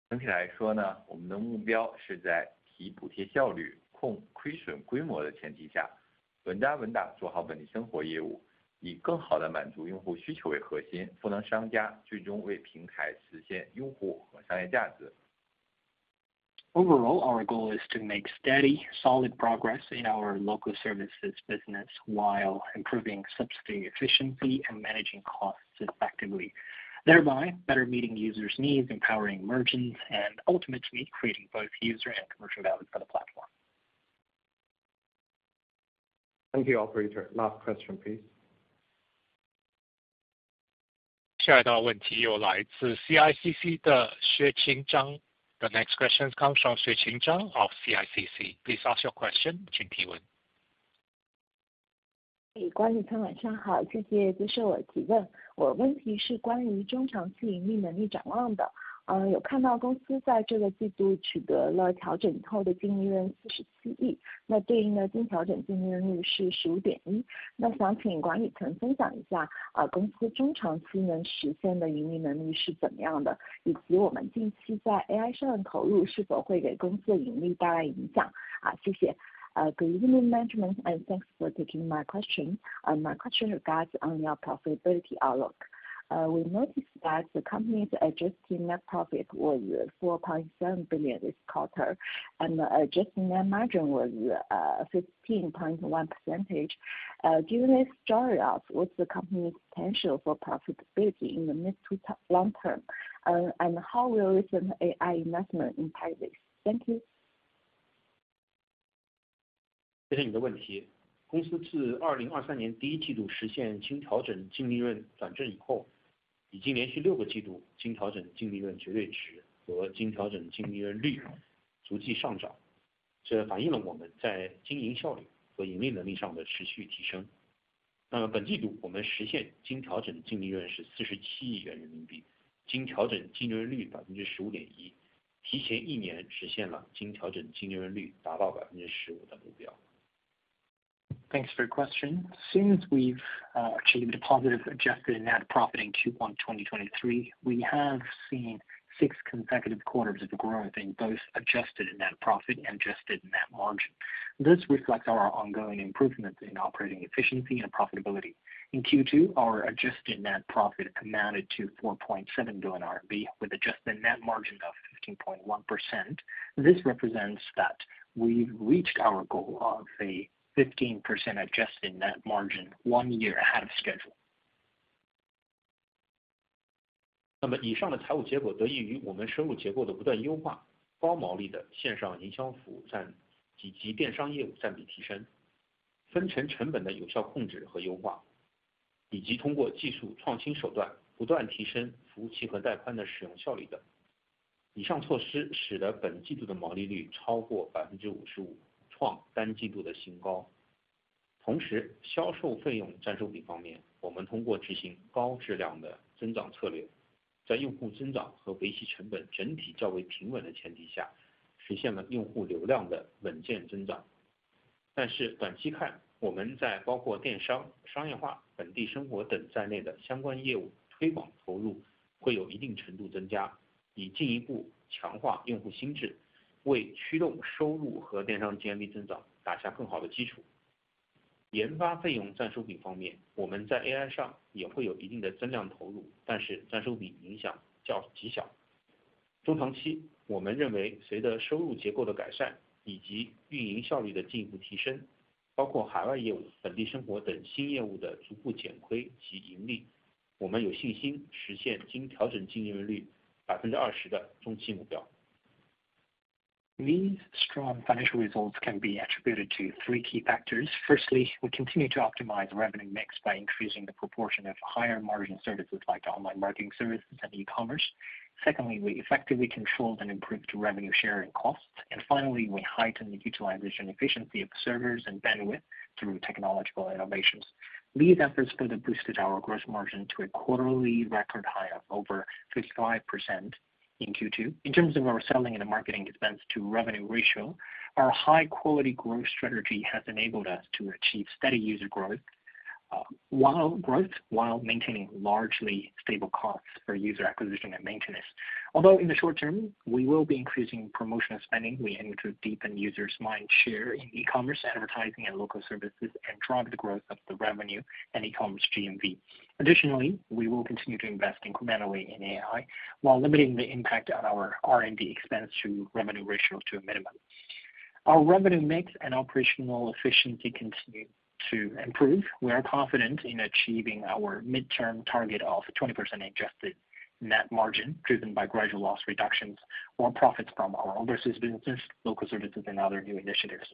整体来说呢，我们的目标是在提高补贴效率，控制亏损规模的前提下，稳扎稳打，做好本地生活活业务，以更好地满足用户需求为核心，赋能商家，最终为平台实现用户和商业价值。Overall, our goal is to make steady, solid progress in our local services business while improving subsidy efficiency and managing costs effectively, thereby better meeting users' needs, empowering merchants, and ultimately creating both user and commercial value for the platform. Thank you. Operator. Last question, please. 下一道问题又来自CICC的张雪晴。The next question comes from Xueqing Zhang of CICC. Please ask your question. 请提问。Good evening, management, and thanks for taking my question. My question is about the outlook for medium- to long-term profitability. I saw that the company achieved an adjusted net profit of RMB 4.7 billion in this quarter, and the corresponding adjusted net profit margin is 15.1%. I would like management to share what the company's medium- to long-term achievable profitability looks like, and whether our recent investments in AI will impact the company's profitability. Thank you. My question regards on your profitability outlook. We noticed that the company's adjusted net profit was CNY 4.7 billion this quarter, and adjusted net margin was 15.1%. Give us start off with the company's potential for profitability in the mid to long term. And how will recent AI investment impact this? Thank you. 谢谢你的问题。公司自2023年第一季度实现经调整净利润转正以后，已经连续六个季度经调整净利润绝对值和经调整净利润率逐季上涨，这反映了我们在经营效率和盈利能力上的持续提升。那么本季度我们实现经调整净利润是CNY 4.7 billion，经调整净利润率15.1%，提前一年实现了经调整净利润率达到15%的目标。Thanks for your question. Since we've achieved a positive adjusted net profit in Q1 2023, we have seen six consecutive quarters of growth in both adjusted net profit and adjusted net margin. This reflects our ongoing improvements in operating efficiency and profitability. In Q2, our adjusted net profit amounted to 4.7 billion RMB, with adjusted net margin of 15.1%. This represents that we've reached our goal of a 15% adjusted net margin one year ahead of schedule. These strong financial results can be attributed to three key factors: firstly, we continue to optimize revenue mix by increasing the proportion of higher margin services like online marketing services and e-commerce. Secondly, we effectively controlled and improved revenue sharing costs. And finally, we heightened the utilization efficiency of servers and bandwidth through technological innovations. These efforts further boosted our gross margin to a quarterly record high of over 55% in Q2. In terms of our selling and marketing expense to revenue ratio, our high quality growth strategy has enabled us to achieve steady user growth, while maintaining largely stable costs for user acquisition and maintenance. Although in the short term, we will be increasing promotional spending, we aim to deepen users mind share in e-commerce, advertising and local services, and drive the growth of the revenue and e-commerce GMV. Additionally, we will continue to invest incrementally in AI, while limiting the impact on our R&D expense to revenue ratio to a minimum. Our revenue mix and operational efficiency continue to improve. We are confident in achieving our midterm target of 20% adjusted net margin, driven by gradual loss reductions or profits from our overseas businesses, local services, and other new initiatives.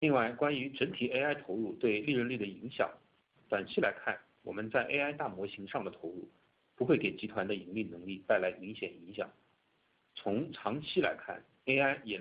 另外，关于整体AI投入对利润率的影响，短期来看，我们在AI大模型上的投入不会给集团的盈利能力带来明显影响。从长期来看，AI也能通过赋能现有业务和创新的业务场景，不断提升AI相关投资对公司业务发展的价值。Regarding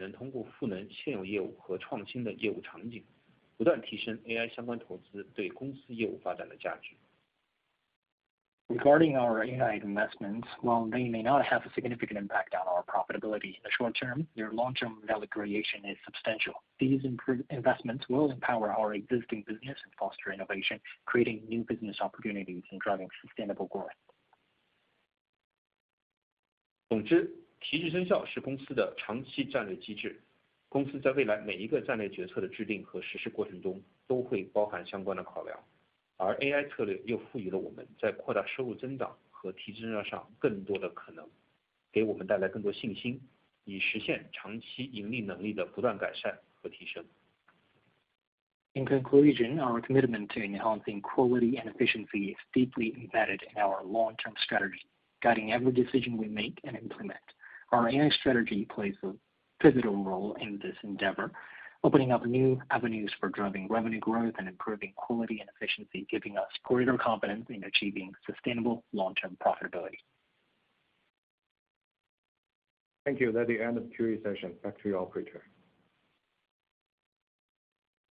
our AI investments, while they may not have a significant impact on our profitability in the short term, their long-term value creation is substantial. These improved investments will empower our existing business and foster innovation, creating new business opportunities and driving sustainable growth. 总之，提质增效是公司的长期战略机制，公司 在未来每一个战略决策的制定和实施过程中，都会包含相关的考量。而AI战略又赋予了我们在扩大收入增长和提质增效上更多的可能，带给我们更多信心，以实现长期盈利能力的不断改善和提升。In conclusion, our commitment to enhancing quality and efficiency is deeply embedded in our long-term strategy, guiding every decision we make and implement. Our AI strategy plays a pivotal role in this endeavor, opening up new avenues for driving revenue growth and improving quality and efficiency, giving us greater confidence in achieving sustainable long-term profitability. Thank you. That's the end of the Q&A session. Back to you, operator.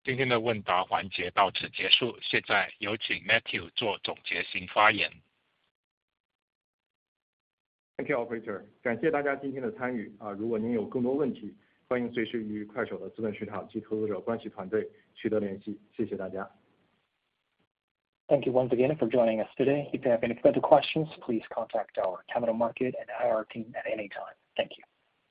今天的问答环节到此结束，现在有请Matthew做总结性发言。Thank you, operator. 感谢大家今天的参与，如果您有更多问题，欢迎随时与快手的资本市场及投资者关系团队取得联系。谢谢大家！ Thank you once again for joining us today. If you have any further questions, please contact our capital market and at any time. Thank you.